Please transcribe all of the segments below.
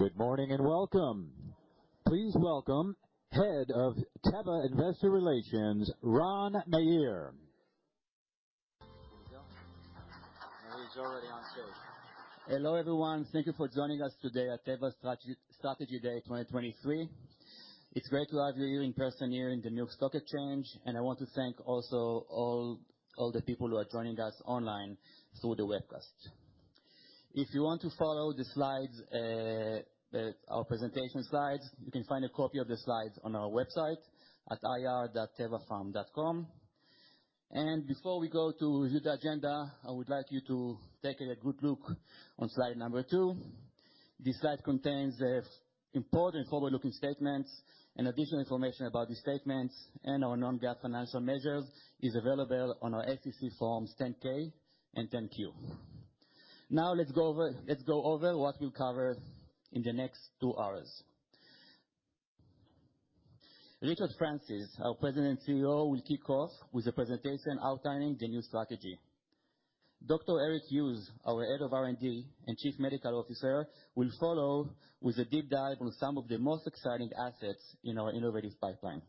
Good morning and welcome. Please welcome Head of Teva Investor Relations, Ran Meir. He's already on stage. Hello, everyone. Thank you for joining us today at Teva Strategy Day 2023. It's great to have you here in person here in the New York Stock Exchange, and I want to thank also all the people who are joining us online through the webcast. If you want to follow the slides, our presentation slides, you can find a copy of the slides on our website at ir.tevapharm.com. Before we go to the agenda, I would like you to take a good look on slide number two. This slide contains the important forward-looking statements and additional information about the statements. Our non-GAAP financial measures is available on our SEC forms 10-K and 10-Q. Now, let's go over what we'll cover in the next two hours. Richard Francis, our President and CEO, will kick off with a presentation outlining the new strategy. Dr. Eric Hughes, our Head of R&D and Chief Medical Officer, will follow with a deep dive on some of the most exciting assets in our innovative pipeline.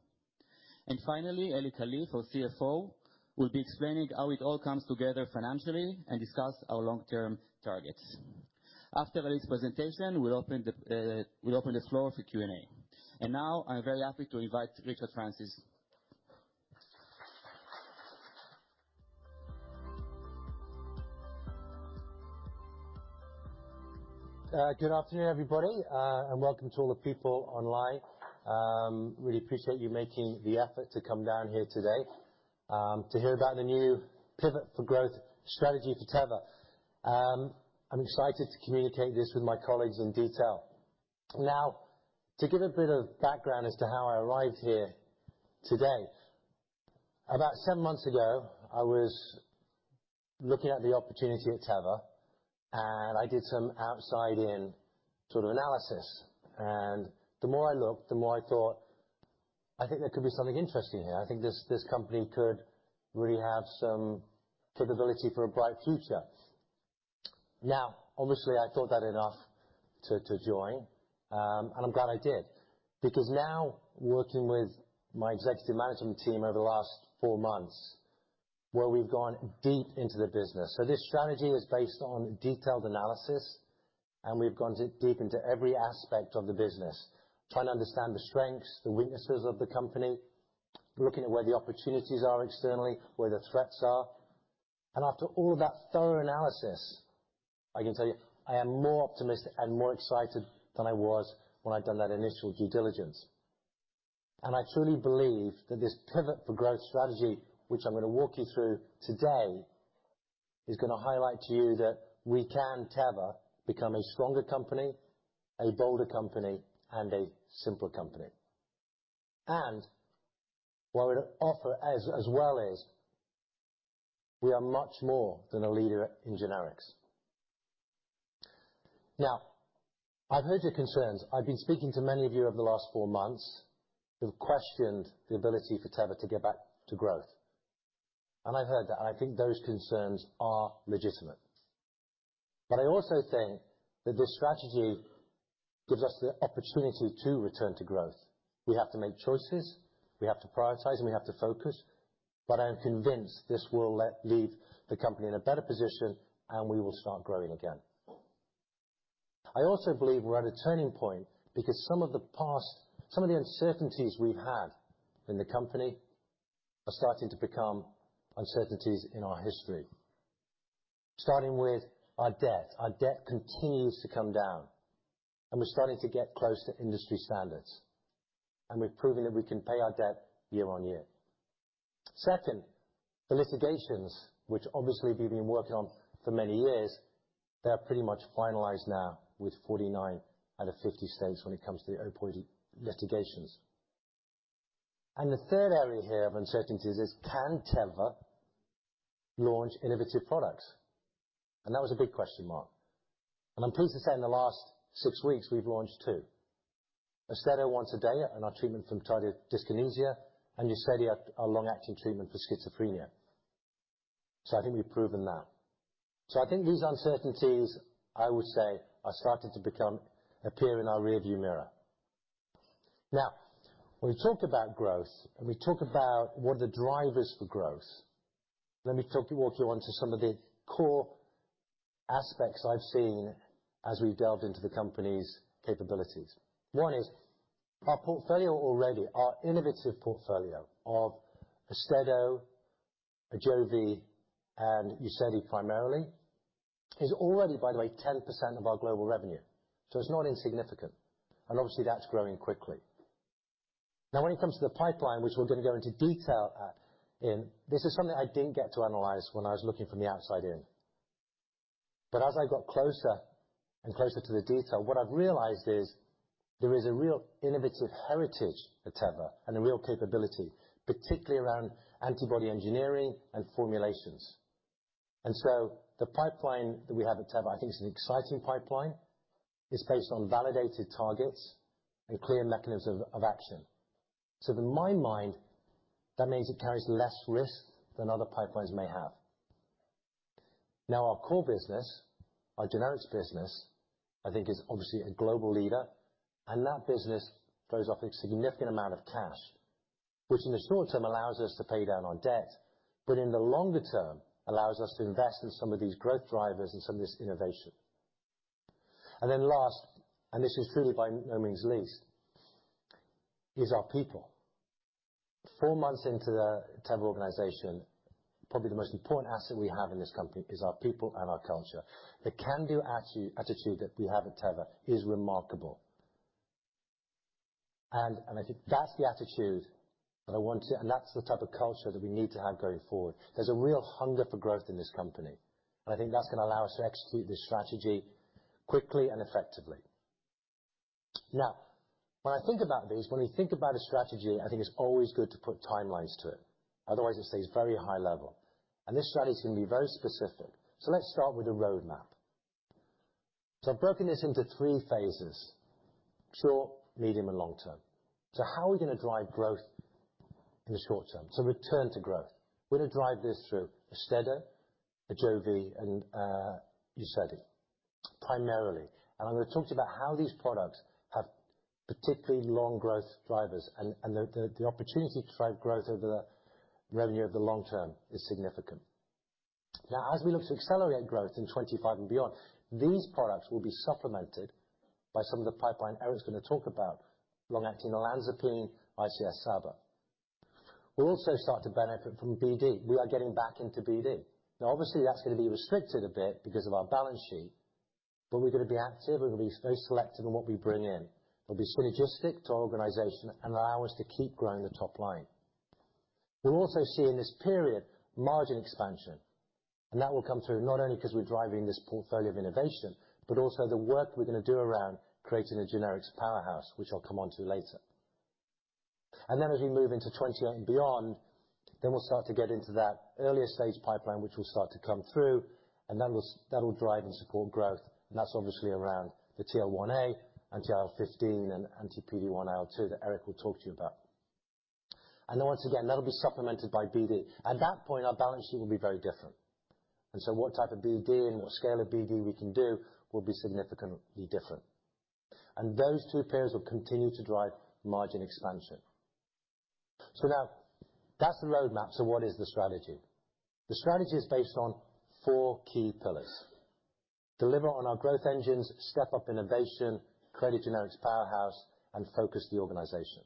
Finally, Eli Kalif, our CFO, will be explaining how it all comes together financially and discuss our long-term targets. After Eli's presentation, we'll open the floor for Q&A. Now I'm very happy to invite Richard Francis. Good afternoon, everybody, and welcome to all the people online. Really appreciate you making the effort to come down here today, to hear about the new Pivot to Growth strategy for Teva. I'm excited to communicate this with my colleagues in detail. To give a bit of background as to how I arrived here today. About seven months ago, I was looking at the opportunity at Teva, and I did some outside-in sort of analysis. The more I looked, the more I thought, "I think there could be something interesting here. I think this company could really have some capability for a bright future." Obviously, I thought that enough to join, and I'm glad I did, because now working with my executive management team over the last four months, where we've gone deep into the business. This strategy is based on detailed analysis, we've gone deep into every aspect of the business, trying to understand the strengths, the weaknesses of the company, looking at where the opportunities are externally, where the threats are. After all that thorough analysis, I can tell you I am more optimistic and more excited than I was when I'd done that initial due diligence. I truly believe that this Pivot to Growth strategy, which I'm going to walk you through today, is going to highlight to you that we can, Teva, become a stronger company, a bolder company, and a simpler company. What we offer as well as, we are much more than a leader in generics. I've heard your concerns. I've been speaking to many of you over the last four months who've questioned the ability for Teva to get back to growth. I've heard that, and I think those concerns are legitimate. I also think that this strategy gives us the opportunity to return to growth. We have to make choices, we have to prioritize, and we have to focus, but I'm convinced this will leave the company in a better position, and we will start growing again. I also believe we're at a turning point because some of the uncertainties we've had in the company are starting to become uncertainties in our history. Starting with our debt. Our debt continues to come down, and we're starting to get close to industry standards, and we've proven that we can pay our debt year-over-year. Second, the litigations, which obviously we've been working on for many years, they are pretty much finalized now with 49 out of 50 states when it comes to the opioid litigations. The third area here of uncertainties is, can Teva launch innovative products? That was a big question mark. I'm pleased to say in the last six weeks we've launched two. AUSTEDO once a day in our treatment for tardive dyskinesia, and UZEDY, our long-acting treatment for schizophrenia. I think we've proven that. I think these uncertainties, I would say, are starting to become appear in our rearview mirror. Now, when we talk about growth and we talk about what are the drivers for growth, let me talk you, walk you on to some of the core aspects I've seen as we've delved into the company's capabilities. One is, our portfolio already, our innovative portfolio of AUSTEDO, AJOVY, and UZEDY primarily, is already, by the way, 10% of our global revenue, so it's not insignificant. Obviously that's growing quickly. When it comes to the pipeline, which we're gonna go into detail at. This is something I didn't get to analyze when I was looking from the outside in. As I got closer and closer to the detail, what I've realized is there is a real innovative heritage at Teva and a real capability, particularly around antibody engineering and formulations. The pipeline that we have at Teva, I think is an exciting pipeline. It's based on validated targets and clear mechanisms of action. In my mind, that means it carries less risk than other pipelines may have. Our core business, our generics business, I think is obviously a global leader, and that business throws off a significant amount of cash, which in the short term allows us to pay down our debt, but in the longer term, allows us to invest in some of these growth drivers and some of this innovation. Last, and this is truly by no means least, is our people. Four months into the Teva organization, probably the most important asset we have in this company is our people and our culture. The can-do attitude that we have at Teva is remarkable. I think that's the attitude that I want to, and that's the type of culture that we need to have going forward. There's a real hunger for growth in this company, and I think that's gonna allow us to execute this strategy quickly and effectively. When I think about these, when we think about a strategy, I think it's always good to put timelines to it. Otherwise it stays very high level. This strategy is gonna be very specific. Let's start with the roadmap. I've broken this into three phases, short, medium, and long term. How are we gonna drive growth in the short term? Return to growth. We're gonna drive this through AUSTEDO, AJOVY, and UZEDY primarily. I'm gonna talk to you about how these products have particularly long growth drivers and the opportunity to drive growth over the revenue of the long term is significant. As we look to accelerate growth in 25 and beyond, these products will be supplemented by some of the pipeline Eric Hughes's going to talk about, long-acting olanzapine, ICS/SABA. We will also start to benefit from BD. We are getting back into BD. Obviously, that's going to be restricted a bit because of our balance sheet, but we are going to be active, and we are going to be very selective in what we bring in. It will be synergistic to our organization and allow us to keep growing the top line. We will also see in this period margin expansion, that will come through not only because we are driving this portfolio of innovation, but also the work we are going to do around creating a generics powerhouse, which I will come onto later. As we move into 2028 and beyond, then we'll start to get into that earlier-stage pipeline, which will start to come through, that'll drive and support growth. That's obviously around the TL1A and IL-15 and anti-PD-1/L1 that Eric will talk to you about. Once again, that'll be supplemented by BD. At that point, our balance sheet will be very different. What type of BD and what scale of BD we can do will be significantly different. Those two pillars will continue to drive margin expansion. That's the roadmap. What is the strategy? The strategy is based on four key pillars: deliver on our growth engines, Step-Up Innovation, create a generics powerhouse, and focus the organization.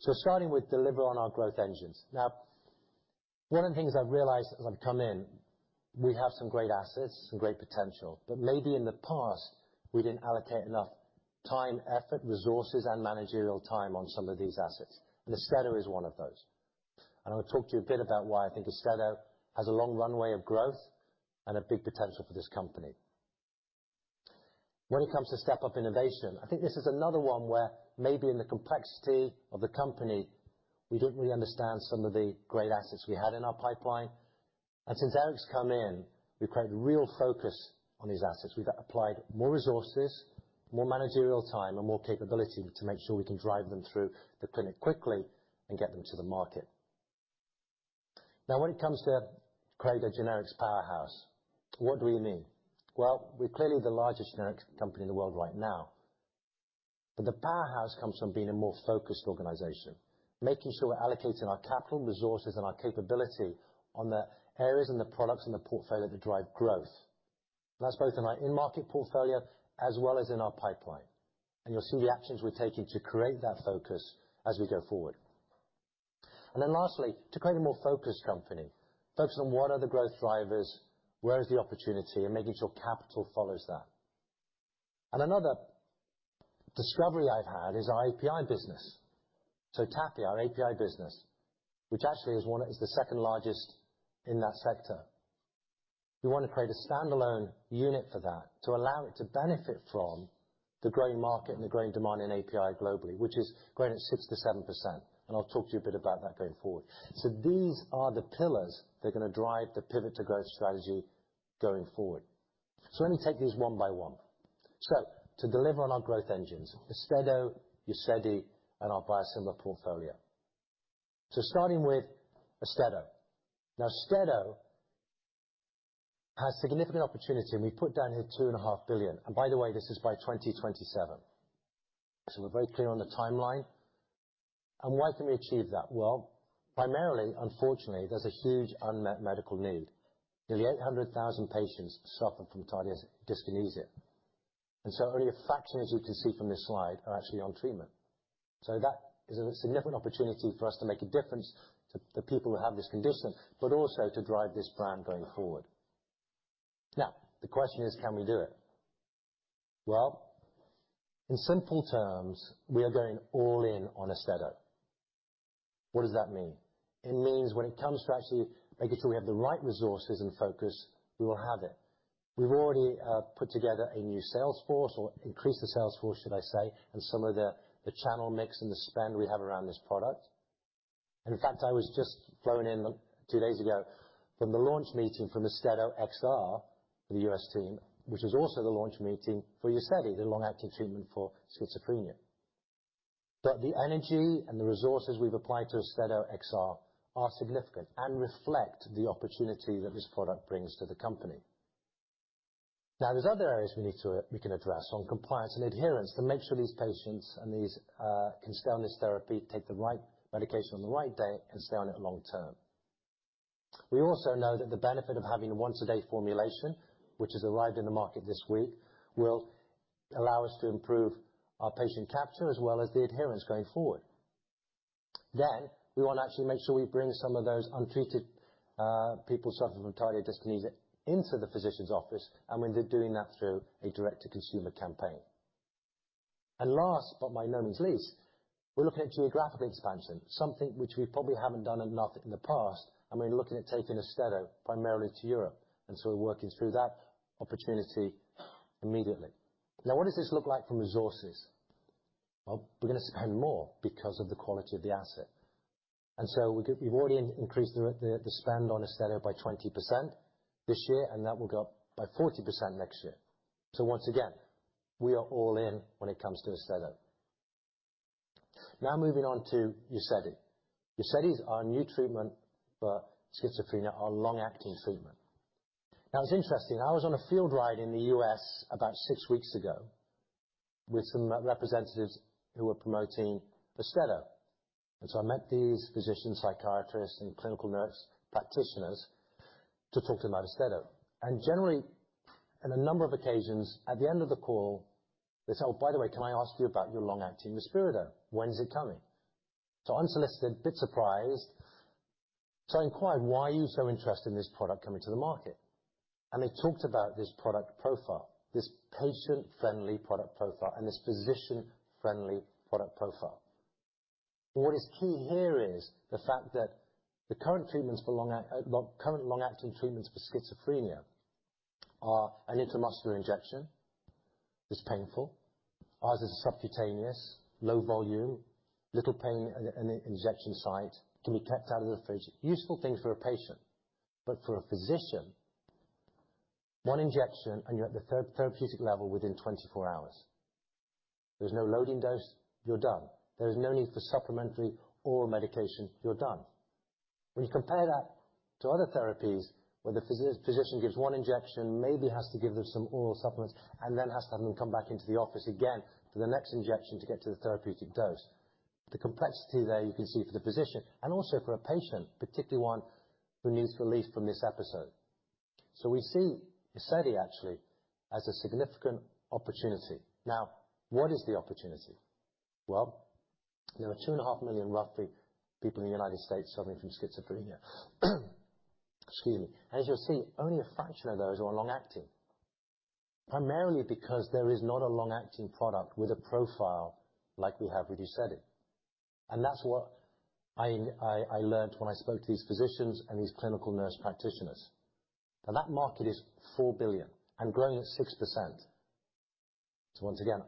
Starting with deliver on our growth engines. Now, one of the things I've realized as I've come in, we have some great assets, some great potential, but maybe in the past, we didn't allocate enough time, effort, resources, and managerial time on some of these assets. AUSTEDO is one of those. I'm gonna talk to you a bit about why I think AUSTEDO has a long runway of growth and a big potential for this company. When it comes to Step-Up Innovation, I think this is another one where maybe in the complexity of the company, we didn't really understand some of the great assets we had in our pipeline. Since Eric's come in, we've created a real focus on these assets. We've applied more resources, more managerial time, and more capability to make sure we can drive them through the clinic quickly and get them to the market. When it comes to create a generics powerhouse, what do we mean? We're clearly the largest generics company in the world right now. The powerhouse comes from being a more focused organization, making sure we're allocating our capital, resources, and our capability on the areas and the products in the portfolio that drive growth. That's both in our in-market portfolio as well as in our pipeline. You'll see the actions we're taking to create that focus as we go forward. Lastly, to create a more focused company, focused on what are the growth drivers, where is the opportunity, and making sure capital follows that. Another discovery I've had is our API business. TAPI, our API business, which actually is the second largest in that sector. We want to create a standalone unit for that to allow it to benefit from the growing market and the growing demand in API globally, which is growing at 6%-7%. I'll talk to you a bit about that going forward. These are the pillars that are going to drive the Pivot to Growth strategy going forward. Let me take these one by one. To deliver on our growth engines, AUSTEDO, UZEDY, and our biosimilar portfolio. Starting with AUSTEDO. Now, AUSTEDO has significant opportunity, and we've put down here $2.5 billion. By the way, this is by 2027. We're very clear on the timeline. Why can we achieve that? Well, primarily, unfortunately, there's a huge unmet medical need. Nearly 800,000 patients suffer from tardive dyskinesia, only a fraction, as you can see from this slide, are actually on treatment. That is a significant opportunity for us to make a difference to people who have this condition, but also to drive this brand going forward. The question is, can we do it? In simple terms, we are going all in on AUSTEDO. What does that mean? It means when it comes to actually making sure we have the right resources and focus, we will have it. We've already put together a new sales force or increased the sales force, should I say, and some of the channel mix and the spend we have around this product. In fact, I was just flown in two days ago from the launch meeting for the AUSTEDO XR for the U.S. team, which was also the launch meeting for UZEDY, the long-acting treatment for schizophrenia. The energy and the resources we've applied to AUSTEDO XR are significant and reflect the opportunity that this product brings to the company. There's other areas we can address on compliance and adherence to make sure these patients and these can stay on this therapy, take the right medication on the right day, and stay on it long term. We also know that the benefit of having a once-a-day formulation, which has arrived in the market this week, will allow us to improve our patient capture as well as the adherence going forward. We want to actually make sure we bring some of those untreated people suffering from tardive dyskinesia into the physician's office, and we've been doing that through a direct-to-consumer campaign. Last but by no means least, we're looking at geographic expansion, something which we probably haven't done enough in the past, and we're looking at taking AUSTEDO primarily to Europe. We're working through that opportunity immediately. Now, what does this look like from resources? Well, we're going to spend more because of the quality of the asset. We've already increased the spend on AUSTEDO by 20% this year, and that will go up by 40% next year. Once again, we are all in when it comes to AUSTEDO. Now moving on to UZEDY. UZEDY is our new treatment for schizophrenia, our long-acting treatment. Now, it's interesting. I was on a field ride in the U.S. about six weeks ago with some representatives who were promoting AUSTEDO. I met these physicians, psychiatrists, and clinical nurse practitioners to talk to them about AUSTEDO. Generally, on a number of occasions, at the end of the call, they said, "Oh, by the way, can I ask you about your long-acting risperidone? When is it coming?" Unsolicited, bit surprised. I inquired, "Why are you so interested in this product coming to the market?" They talked about this product profile, this patient-friendly product profile, and this physician-friendly product profile. What is key here is the fact that the current long-acting treatments for schizophrenia are an intramuscular injection, it's painful. Ours is subcutaneous, low volume, little pain in the injection site, can be kept out of the fridge. Useful things for a patient. For a physician, one injection and you're at the therapeutic level within 24 hours. There's no loading dose. You're done. There is no need for supplementary oral medication. You're done. When you compare that to other therapies, where the physician gives one injection, maybe has to give them some oral supplements, and then has to have them come back into the office again for the next injection to get to the therapeutic dose. The complexity there you can see for the physician and also for a patient, particularly one who needs relief from this episode. We see UZEDY actually as a significant opportunity. What is the opportunity? There are 2.5 million, roughly, people in the United States suffering from schizophrenia. Excuse me. As you'll see, only a fraction of those are long-acting, primarily because there is not a long-acting product with a profile like we have with UZEDY. That's what I learned when I spoke to these physicians and these clinical nurse practitioners. That market is $4 billion and growing at 6%. Once again,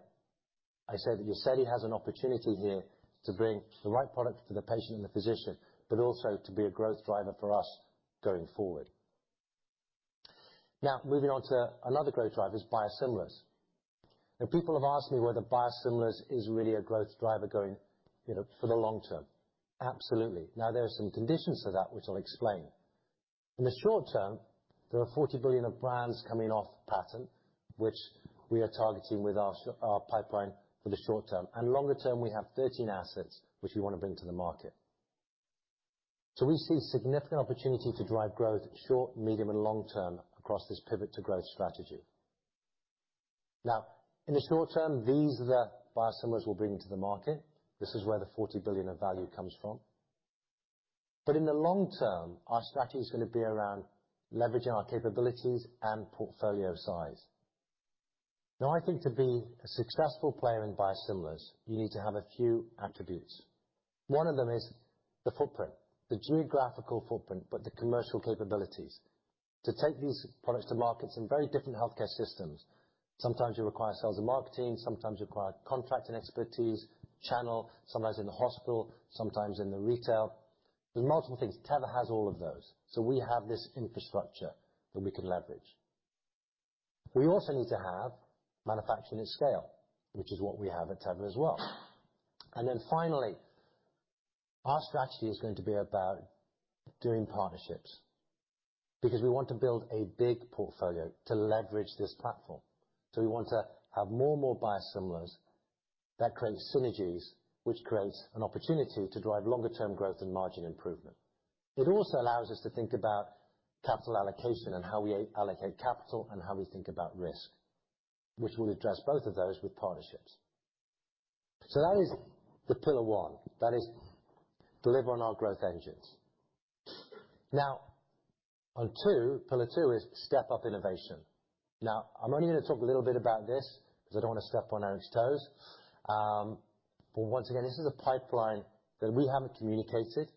I said that UZEDY has an opportunity here to bring the right product to the patient and the physician, but also to be a growth driver for us going forward. Moving on to another growth driver is biosimilars. People have asked me whether biosimilars is really a growth driver going, you know, for the long term. Absolutely. There are some conditions to that, which I'll explain. In the short term, there are $40 billion of brands coming off patent, which we are targeting with our pipeline for the short term. Longer term, we have 13 assets which we wanna bring to the market. We see significant opportunity to drive growth short, medium, and long term across this Pivot to Growth strategy. In the short term, these are the biosimilars we'll bring to the market. This is where the $40 billion of value comes from. In the long term, our strategy is gonna be around leveraging our capabilities and portfolio size. I think to be a successful player in biosimilars, you need to have a few attributes. One of them is the footprint, the geographical footprint, but the commercial capabilities. To take these products to markets in very different healthcare systems, sometimes you require sales and marketing, sometimes you require contracting expertise, channel, sometimes in the hospital, sometimes in the retail. There's multiple things. Teva has all of those. We have this infrastructure that we can leverage. We also need to have manufacturing at scale, which is what we have at Teva as well. Finally, our strategy is going to be about doing partnerships because we want to build a big portfolio to leverage this platform. We want to have more and more biosimilars that create synergies, which creates an opportunity to drive longer-term growth and margin improvement. It also allows us to think about capital allocation and how we allocate capital and how we think about risk, which we'll address both of those with partnerships. That is the pillar one. That is deliver on our growth engines. On two, pillar two is Step-Up Innovation. I'm only gonna talk a little bit about this because I don't want to step on Eric's toes. Once again, this is a pipeline that we haven't communicated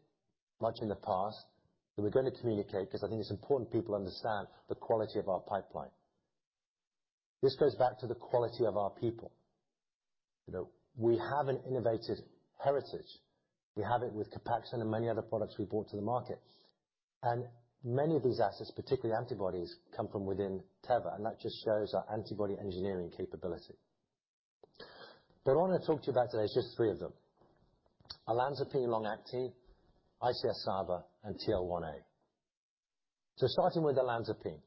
much in the past, but we're gonna communicate 'cause I think it's important people understand the quality of our pipeline. This goes back to the quality of our people. You know, we have an innovative heritage. We have it with COPAXONE and many other products we brought to the market. And many of these assets, particularly antibodies, come from within Teva, and that just shows our antibody engineering capability. What I want to talk to you about today is just three of them. olanzapine long-acting, ICS/SABA, and TL1A. Starting with olanzapine.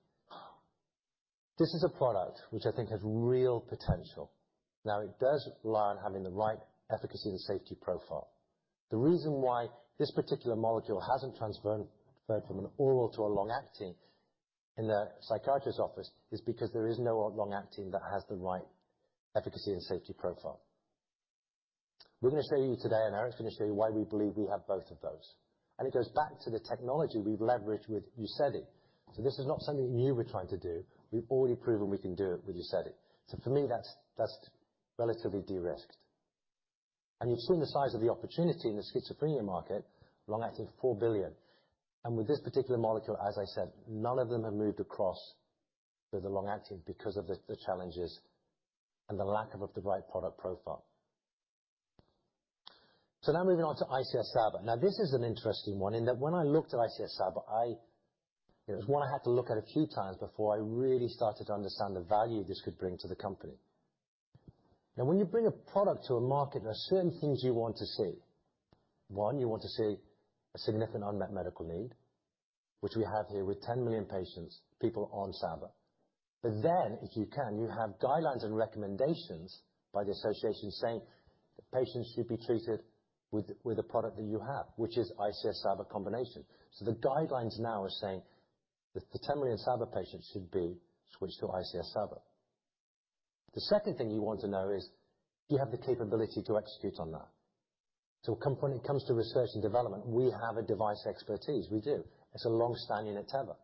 This is a product which I think has real potential. It does rely on having the right efficacy and safety profile. The reason why this particular molecule hasn't transferred from an oral to a long-acting in the psychiatrist's office is because there is no long-acting that has the right efficacy and safety profile. We're going to show you today, and Eric's going to show you why we believe we have both of those. It goes back to the technology we've leveraged with UZEDY. This is not something new we're trying to do. We've already proven we can do it with UZEDY. For me, that's relatively de-risked. You've seen the size of the opportunity in the schizophrenia market, long-acting $4 billion. With this particular molecule, as I said, none of them have moved across to the long-acting because of the challenges and the lack of the right product profile. Now moving on to ICS/SABA. Now, this is an interesting one in that when I looked at ICS/SABA, it was one I had to look at a few times before I really started to understand the value this could bring to the company. Now, when you bring a product to a market, there are certain things you want to see. One, you want to see a significant unmet medical need, which we have here with 10 million patients, people on SABA. If you can, you have guidelines and recommendations by the association saying that patients should be treated with a product that you have, which is ICS/SABA combination. The guidelines now are saying that the 10 million SABA patients should be switched to ICS/SABA. The second thing you want to know is, do you have the capability to execute on that? When it comes to research and development, we have a device expertise. We do. It's long-standing at Teva.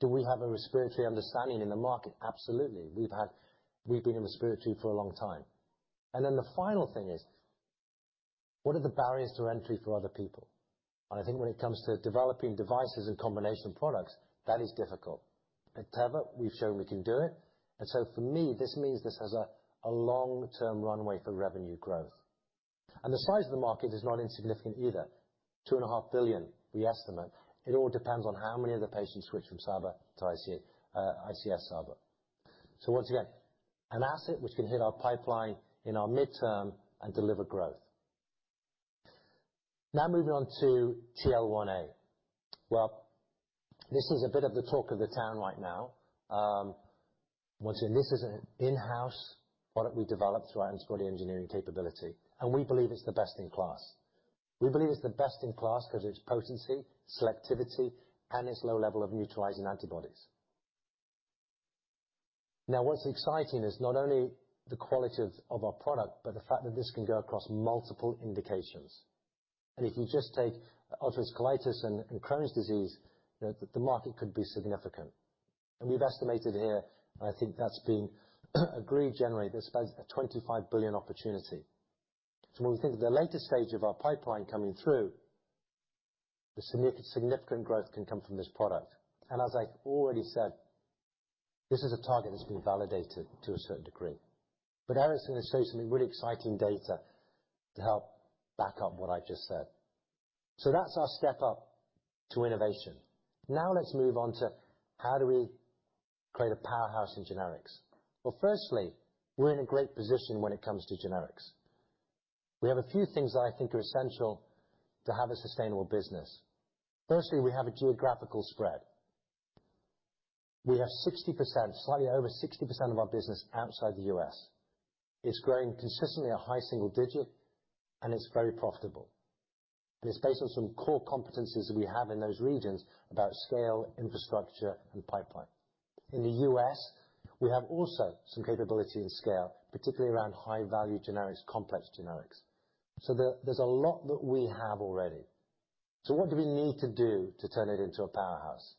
Do we have a respiratory understanding in the market? Absolutely. We've been in respiratory for a long time. The final thing is, what are the barriers to entry for other people? I think when it comes to developing devices and combination products, that is difficult. At Teva, we've shown we can do it. For me, this means this has a long-term runway for revenue growth. The size of the market is not insignificant either. $2.5 billion, we estimate. It all depends on how many of the patients switch from SABA to ICS/SABA. Once again, an asset which can hit our pipeline in our mid-term and deliver growth. Now moving on to TL1A. Well, this is a bit of the talk of the town right now. Once again, this is an in-house product we developed through our antibody engineering capability, and we believe it's the best in class. We believe it's the best in class 'cause of its potency, selectivity, and its low level of neutralizing antibodies. Now, what's exciting is not only the quality of our product, but the fact that this can go across multiple indications. If you just take ulcerative colitis and Crohn's disease, the market could be significant. We've estimated here, and I think that's been agreed generally, there's about a $25 billion opportunity. When we think of the later stage of our pipeline coming through, the significant growth can come from this product. As I already said, this is a target that's been validated to a certain degree. Eric's gonna show you some really exciting data to help back up what I just said. That's our step up to innovation. Now let's move on to how do we create a powerhouse in generics. Well, firstly, we're in a great position when it comes to generics. We have a few things that I think are essential to have a sustainable business. Firstly, we have a geographical spread. We have 60%, slightly over 60% of our business outside the U.S. It's growing consistently at high single digit, and it's very profitable. It's based on some core competencies that we have in those regions about scale, infrastructure, and pipeline. In the U.S., we have also some capability and scale, particularly around high-value generics, complex generics. There, there's a lot that we have already. What do we need to do to turn it into a powerhouse?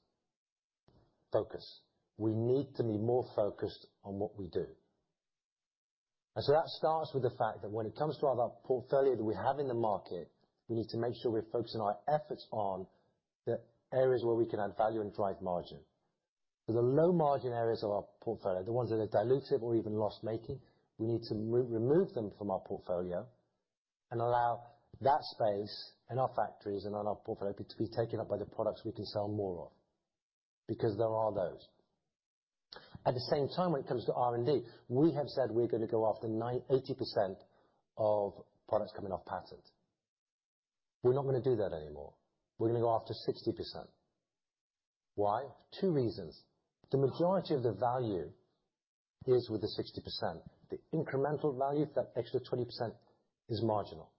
Focus. We need to be more focused on what we do. That starts with the fact that when it comes to all the portfolio that we have in the market, we need to make sure we're focusing our efforts on the areas where we can add value and drive margin. The low-margin areas of our portfolio, the ones that are dilutive or even loss-making, we need to remove them from our portfolio and allow that space in our factories and in our portfolio to be taken up by the products we can sell more of, because there are those. At the same time, when it comes to R&D, we have said we're gonna go after 80% of products coming off patent. We're not gonna do that anymore. We're gonna go after 60%. Why? Two reasons. The majority of the value is with the 60%. The incremental value for that extra 20% is marginal.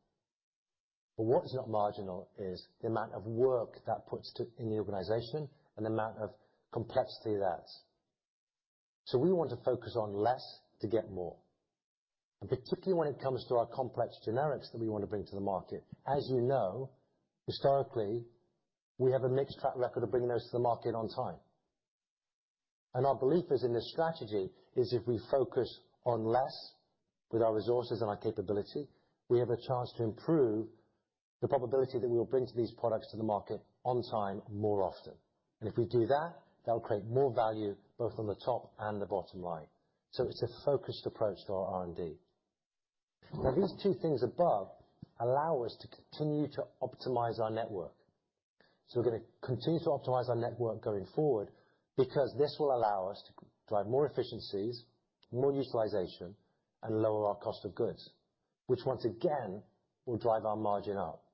What is not marginal is the amount of work that puts to in the organization and the amount of complexity that adds. We want to focus on less to get more, and particularly when it comes to our complex generics that we want to bring to the market. As you know, historically, we have a mixed track record of bringing those to the market on time. Our belief is in this strategy is if we focus on less with our resources and our capability, we have a chance to improve the probability that we'll bring to these products to the market on time more often. If we do that'll create more value both on the top and the bottom line. It's a focused approach to our R&D. Now these two things above allow us to continue to optimize our network. We're gonna continue to optimize our network going forward because this will allow us to drive more efficiencies, more utilization, and lower our cost of goods, which once again, will drive our margin up.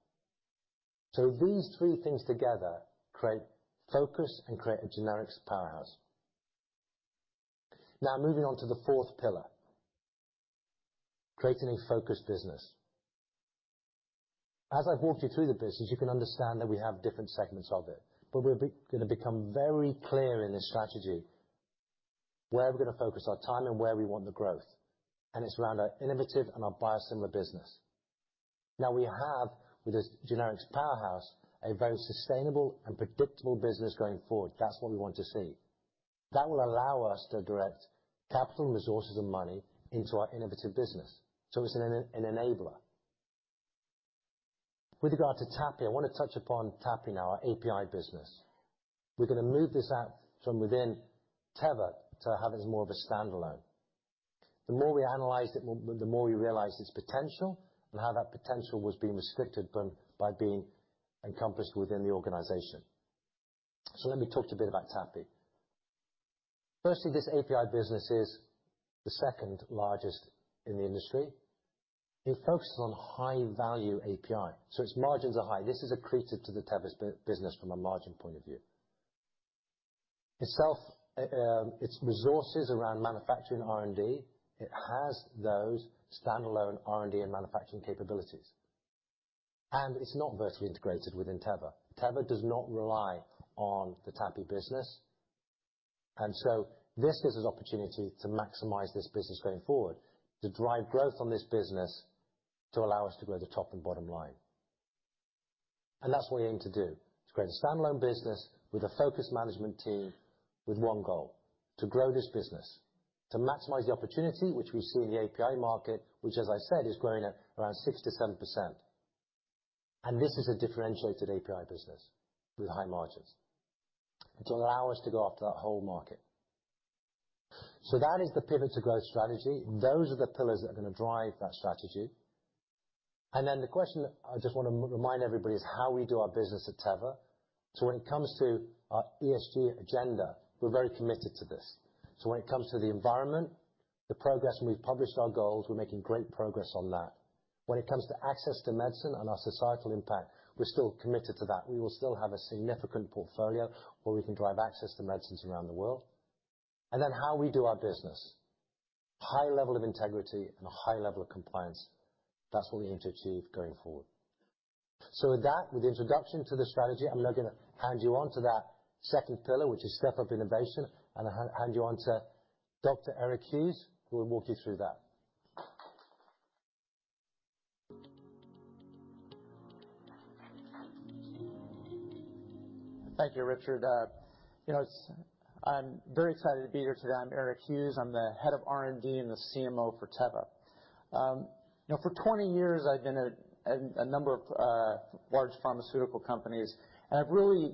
These three things together create focus and create a generics powerhouse. Now moving on to the fourth pillar, creating a focused business. As I've walked you through the business, you can understand that we have different segments of it, but we're gonna become very clear in this strategy where we're gonna focus our time and where we want the growth. It's around our innovative and our biosimilar business. We have, with this generics powerhouse, a very sustainable and predictable business going forward. That's what we want to see. That will allow us to direct capital, resources, and money into our innovative business. It's an enabler. With regard to TAPI, I wanna touch upon TAPI, our API business. We're gonna move this out from within Teva to have it as more of a standalone. The more we analyzed it, the more we realized its potential and how that potential was being restricted by being encompassed within the organization. Let me talk to you a bit about TAPI. Firstly, this API business is the second largest in the industry. It focuses on high value API, so its margins are high. This is accretive to Teva's business from a margin point of view. Itself, its resources around manufacturing R&D, it has those standalone R&D and manufacturing capabilities, and it's not vertically integrated within Teva. Teva does not rely on the TAPI business. This gives us opportunity to maximize this business going forward, to drive growth on this business to allow us to grow the top and bottom line. That's what we aim to do, to create a standalone business with a focused management team, with one goal, to grow this business. To maximize the opportunity which we see in the API market, which as I said, is growing at around 6%-7%. This is a differentiated API business with high margins to allow us to go after that whole market. That is the Pivot to Growth strategy. Those are the pillars that are gonna drive that strategy. The question I just wanna remind everybody is how we do our business at Teva. When it comes to our ESG agenda, we're very committed to this. When it comes to the environment, the progress, and we've published our goals, we're making great progress on that. When it comes to access to medicine and our societal impact, we're still committed to that. We will still have a significant portfolio where we can drive access to medicines around the world. How we do our business, high level of integrity and a high level of compliance. That's what we aim to achieve going forward. With that, with the introduction to the strategy, I'm now gonna hand you on to that second pillar, which is Step-Up Innovation, and hand you on to Dr. Eric Hughes, who will walk you through that. Thank you, Richard. You know, I'm very excited to be here today. I'm Eric Hughes. I'm the head of R&D and the CMO for Teva. You know, for 20 years, I've been at a number of large pharmaceutical companies, and I've really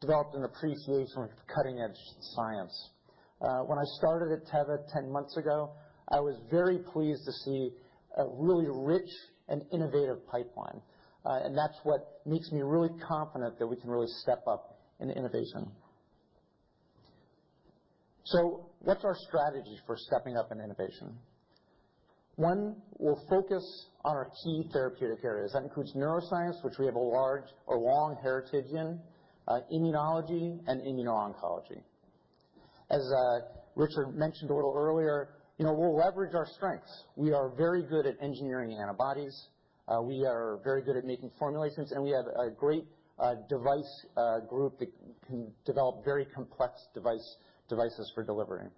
developed an appreciation for cutting-edge science. When I started at Teva 10 months ago, I was very pleased to see a really rich and innovative pipeline, and that's what makes me really confident that we can really step up in innovation. What's our strategy for stepping up in innovation? one, we'll focus on our key therapeutic areas. That includes neuroscience, which we have a long heritage in immunology and immuno-oncology. As Richard mentioned a little earlier, you know, we'll leverage our strengths. We are very good at engineering antibodies. We are very good at making formulations. We have a great device group that can develop very complex devices for delivering.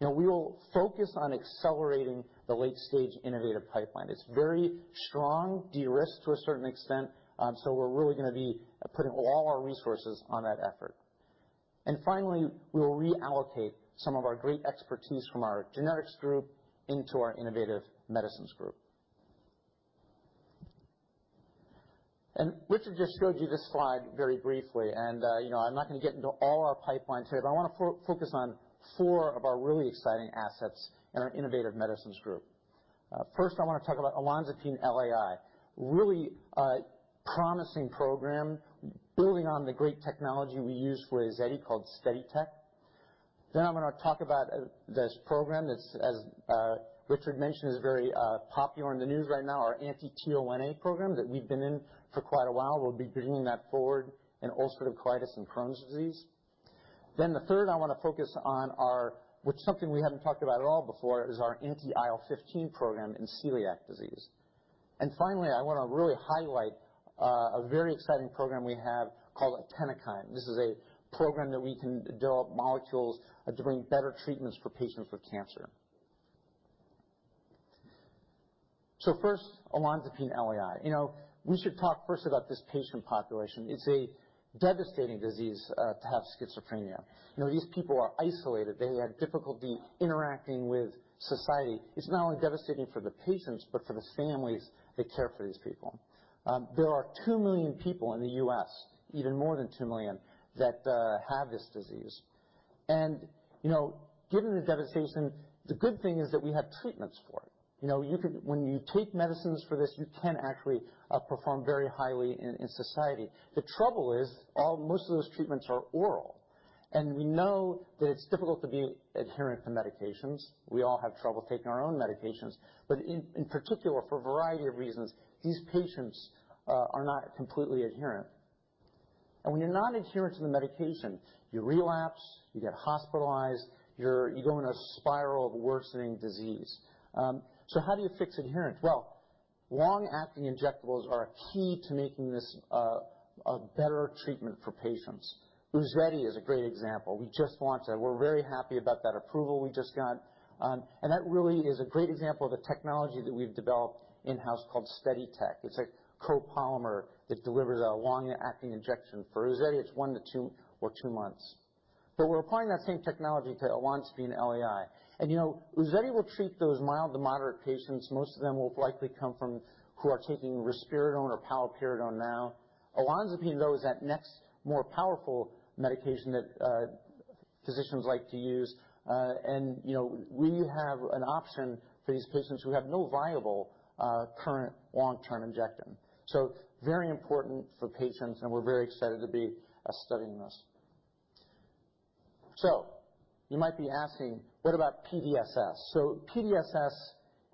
You know, we will focus on accelerating the late-stage innovative pipeline. It's very strong de-risk to a certain extent. We're really gonna be putting all our resources on that effort. Finally, we'll reallocate some of our great expertise from our generics group into our innovative medicines group. Richard just showed you this slide very briefly. You know, I'm not gonna get into all our pipelines here, but I wanna focus on four of our really exciting assets in our innovative medicines group. First I wanna talk about olanzapine LAI, really a promising program building on the great technology we use for UZEDY called SteadyTeq. I'm gonna talk about this program that's, as Richard mentioned, is very popular in the news right now, our anti-TL1A program that we've been in for quite a while. We'll be bringing that forward in ulcerative colitis and Crohn's disease. The third I wanna focus on are, which is something we haven't talked about at all before, is our anti-IL-15 program in celiac disease. Finally, I wanna really highlight a very exciting program we have called Attenukine. This is a program that we can develop molecules to bring better treatments for patients with cancer. First, olanzapine LAI. You know, we should talk first about this patient population. It's a devastating disease to have schizophrenia. You know, these people are isolated. They have difficulty interacting with society. It's not only devastating for the patients, but for the families that care for these people. There are two million people in the U.S., even more than two million, that have this disease. You know, given the devastation, the good thing is that we have treatments for it. You know, when you take medicines for this, you can actually perform very highly in society. The trouble is most of those treatments are oral, and we know that it's difficult to be adherent to medications. We all have trouble taking our own medications, in particular, for a variety of reasons, these patients are not completely adherent. When you're not adherent to the medication, you relapse, you get hospitalized, you go in a spiral of worsening disease. How do you fix adherence? Well, long-acting injectables are a key to making this a better treatment for patients. UZEDY is a great example. We just launched that. We're very happy about that approval we just got. That really is a great example of the technology that we've developed in-house called SteadyTeq. It's a copolymer that delivers a long-acting injection. For UZEDY, it's one to two or two months. We're applying that same technology to olanzapine LAI. You know, UZEDY will treat those mild to moderate patients. Most of them will likely come who are taking risperidone or paliperidone now. olanzapine, though, is that next more powerful medication that physicians like to use. You know, we have an option for these patients who have no viable current long-term injection. Very important for patients, we're very excited to be studying this. You might be asking, what about PDSS? PDSS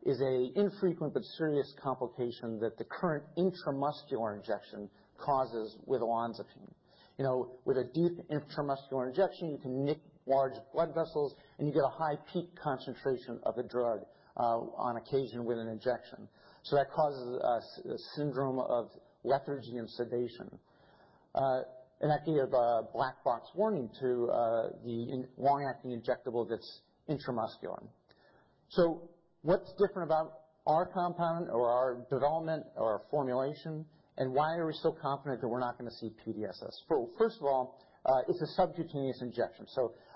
is a infrequent but serious complication that the current intramuscular injection causes with olanzapine. You know, with a deep intramuscular injection, you can nick large blood vessels, and you get a high peak concentration of a drug on occasion with an injection. That causes a syndrome of lethargy and sedation. That can give a black box warning to the long-acting injectable that's intramuscular. What's different about our compound or our development or formulation, and why are we so confident that we're not gonna see PDSS? Well, first of all, it's a subcutaneous injection.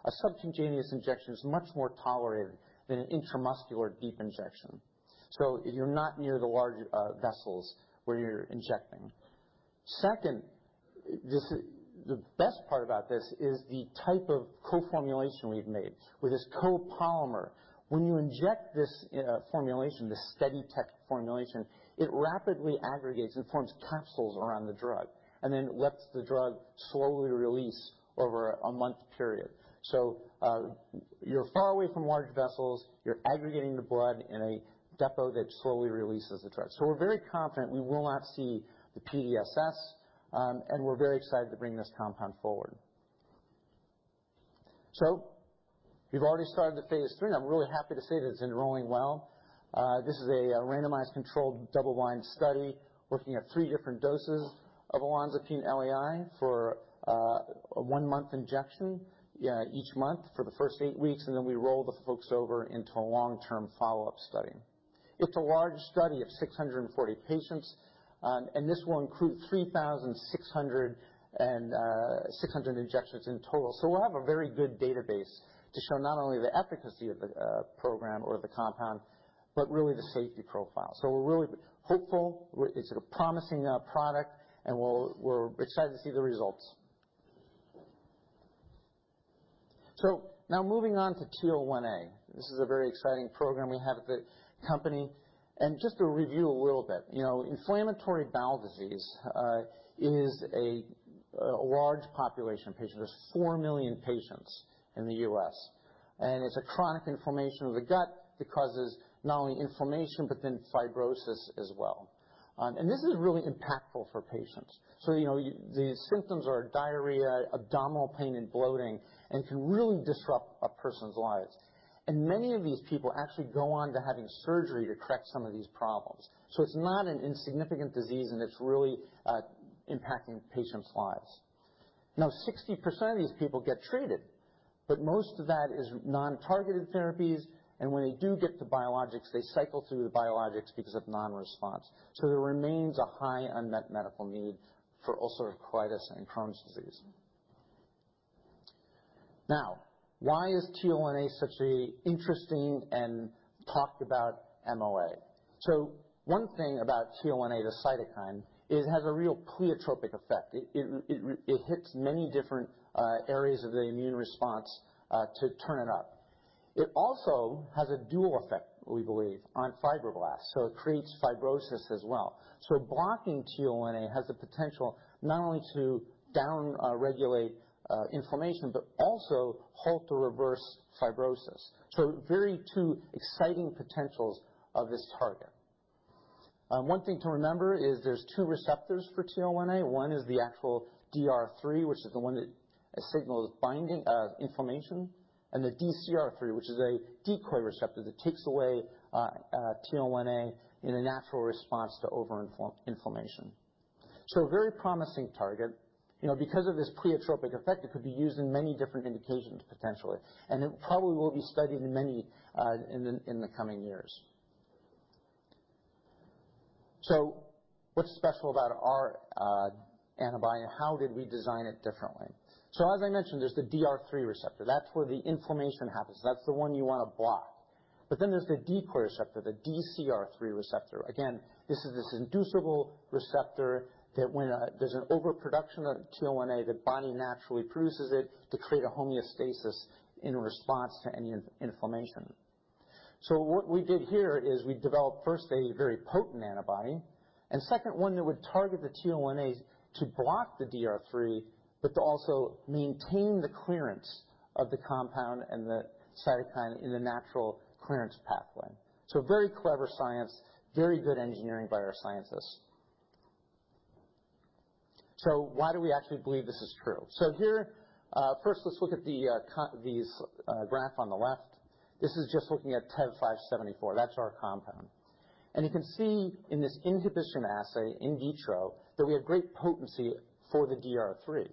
A subcutaneous injection is much more tolerated than an intramuscular deep injection. You're not near the large vessels where you're injecting. Second, the best part about this is the type of co-formulation we've made with this copolymer. When you inject this formulation, this SteadyTeq formulation, it rapidly aggregates and forms capsules around the drug, and then it lets the drug slowly release over a one-month period. You're far away from large vessels. You're aggregating the blood in a depot that slowly releases the drug. We're very confident we will not see the PDSS, and we're very excited to bring this compound forward. We've already started the phase III, and I'm really happy to say that it's enrolling well. This is a randomized, controlled, double-blind study working at three different doses of olanzapine LAI for a one-month injection each month for the first eight weeks, and then we roll the folks over into a long-term follow-up study. It's a large study of 640 patients. This will include 3,600 injections in total. We'll have a very good database to show not only the efficacy of the program or the compound, but really the safety profile. We're really hopeful. It's a promising product, and we're excited to see the results. Now moving on to TL1A. This is a very exciting program we have at the company. Just to review a little bit, you know, inflammatory bowel disease is a large population of patients. There's four million patients in the U.S., it's a chronic inflammation of the gut that causes not only inflammation but then fibrosis as well. This is really impactful for patients. You know, these symptoms are diarrhea, abdominal pain, and bloating and can really disrupt a person's lives. Many of these people actually go on to having surgery to correct some of these problems. It's not an insignificant disease, and it's really impacting patients' lives. Now, 60% of these people get treated, but most of that is non-targeted therapies, and when they do get to biologics, they cycle through the biologics because of non-response. There remains a high unmet medical need for ulcerative colitis and Crohn's disease. Now, why is TL1A such a interesting and talked about MOA? One thing about TL1A, the cytokine, is it has a real pleiotropic effect. It hits many different areas of the immune response to turn it up. It also has a dual effect, we believe, on fibroblasts, so it creates fibrosis as well. Blocking TL1A has the potential not only to down regulate inflammation, but also halt or reverse fibrosis. Very two exciting potentials of this target. One thing to remember is there's two receptors for TL1A. One is the actual DR3, which is the one that signals binding inflammation, and the DcR3, which is a decoy receptor that takes away TL1A in a natural response to overinflammation. A very promising target. You know, because of this pleiotropic effect, it could be used in many different indications potentially, and it probably will be studied in many in the coming years. What's special about our antibody, and how did we design it differently? As I mentioned, there's the DR3 receptor. That's where the inflammation happens. That's the one you wanna block. There's the decoy receptor, the DcR3 receptor. Again, this is this inducible receptor that when there's an overproduction of TL1A, the body naturally produces it to create a homeostasis in response to any inflammation. What we did here is we developed first a very potent antibody, and second one that would target the TL1A to block the DR3, but to also maintain the clearance of the compound and the cytokine in the natural clearance pathway. Very clever science, very good engineering by our scientists. Why do we actually believe this is true? Here, first let's look at the these graph on the left. This is just looking at TEV-'574. That's our compound. You can see in this inhibition assay in vitro that we have great potency for the DR3.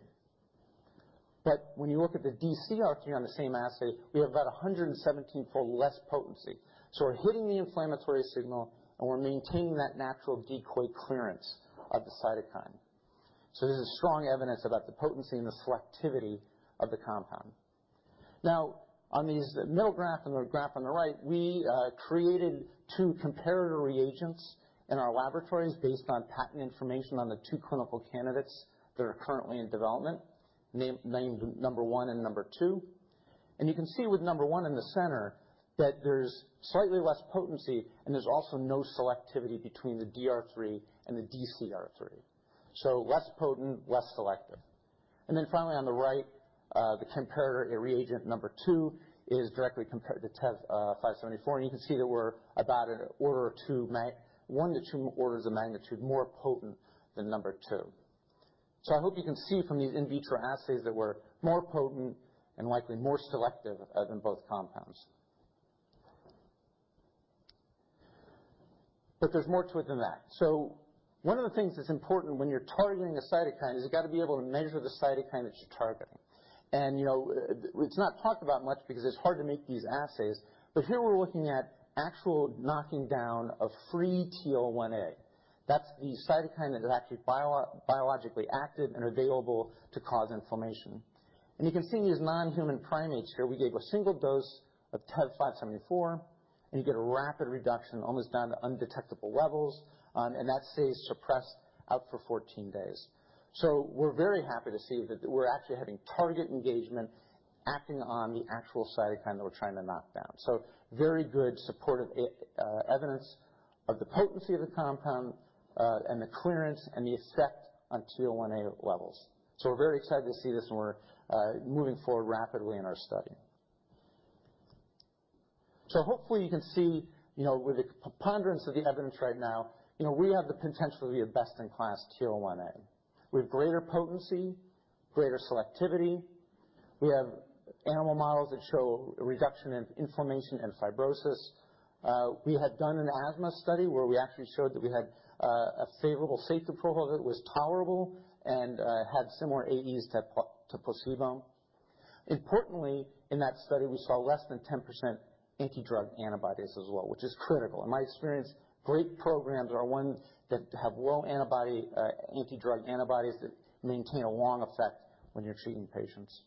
When you look at the DcR3 on the same assay, we have about 117 fold less potency. We're hitting the inflammatory signal, and we're maintaining that natural decoy clearance of the cytokine. This is strong evidence about the potency and the selectivity of the compound. Now, on these middle graph and the graph on the right, we created two comparator reagents in our laboratories based on patent information on the two clinical candidates that are currently in development, named number one and number two. You can see with number one in the center that there's slightly less potency, and there's also no selectivity between the DR3 and the DcR3. Less potent, less selective. On the right, the comparator, a reagent number two is directly compared to TEV-'574. You can see that we're about an order or one to two orders of magnitude more potent than number two. I hope you can see from these in vitro assays that we're more potent and likely more selective than both compounds. There's more to it than that. One of the things that's important when you're targeting a cytokine is you've got to be able to measure the cytokine that you're targeting. It's not talked about much because it's hard to make these assays, but here we're looking at actual knocking down of free TL1A. That's the cytokine that is actually biologically active and available to cause inflammation. You can see these non-human primates here, we gave a single dose of TEV-'574, and you get a rapid reduction, almost down to undetectable levels, and that stays suppressed out for 14 days. We're very happy to see that we're actually having target engagement acting on the actual cytokine that we're trying to knock down. Very good supportive evidence of the potency of the compound, and the clearance and the effect on TL1A levels. We're very excited to see this, and we're moving forward rapidly in our study. Hopefully you can see, you know, with the preponderance of the evidence right now, you know, we have the potential to be a best-in-class TL1A. We have greater potency, greater selectivity. We have animal models that show reduction in inflammation and fibrosis. We had done an asthma study where we actually showed that we had a favorable safety profile that was tolerable and had similar AEs to placebo. Importantly, in that study, we saw less than 10% anti-drug antibodies as well, which is critical. In my experience, great programs are ones that have low antibody anti-drug antibodies that maintain a long effect when you're treating patients.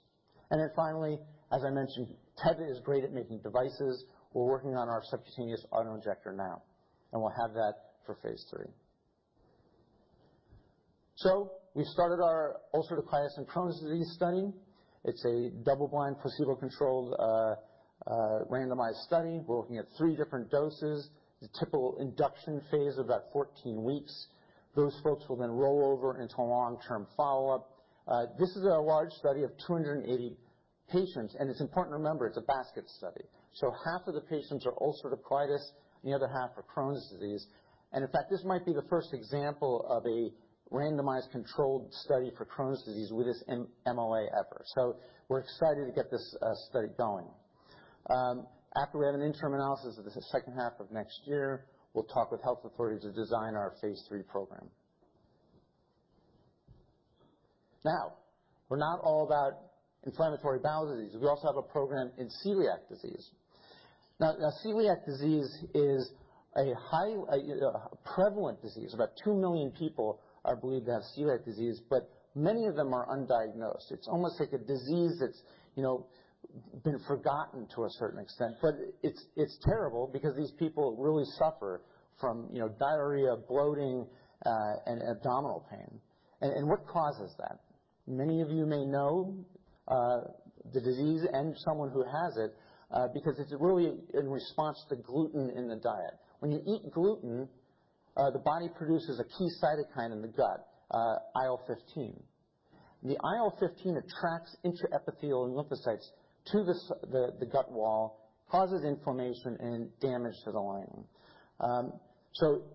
Finally, as I mentioned, Teva is great at making devices. We're working on our subcutaneous auto-injector now, and we'll have that for phase III. We started our ulcerative colitis and Crohn's disease study. It's a double-blind, placebo-controlled randomized study. We're looking at three different doses, the typical induction phase of about 14 weeks. Those folks will then roll over into a long-term follow-up. This is a large study of 280 patients. It's important to remember it's a basket study. Half of the patients are ulcerative colitis, and the other half are Crohn's disease. In fact, this might be the first example of a randomized controlled study for Crohn's disease with this MLA effort. We're excited to get this study going. After we have an interim analysis of the second half of next year, we'll talk with health authorities to design our phase III program. We're not all about inflammatory bowel disease. We also have a program in celiac disease. Celiac disease is a high, you know, prevalent disease. About two million people are believed to have celiac disease, but many of them are undiagnosed. It's almost like a disease that's, you know, been forgotten to a certain extent. It's terrible because these people really suffer from, you know, diarrhea, bloating, and abdominal pain. What causes that? Many of you may know the disease and someone who has it because it's really in response to gluten in the diet. When you eat gluten, the body produces a key cytokine in the gut, IL-15. The IL-15 attracts intraepithelial lymphocytes to the gut wall, causes inflammation and damage to the lining.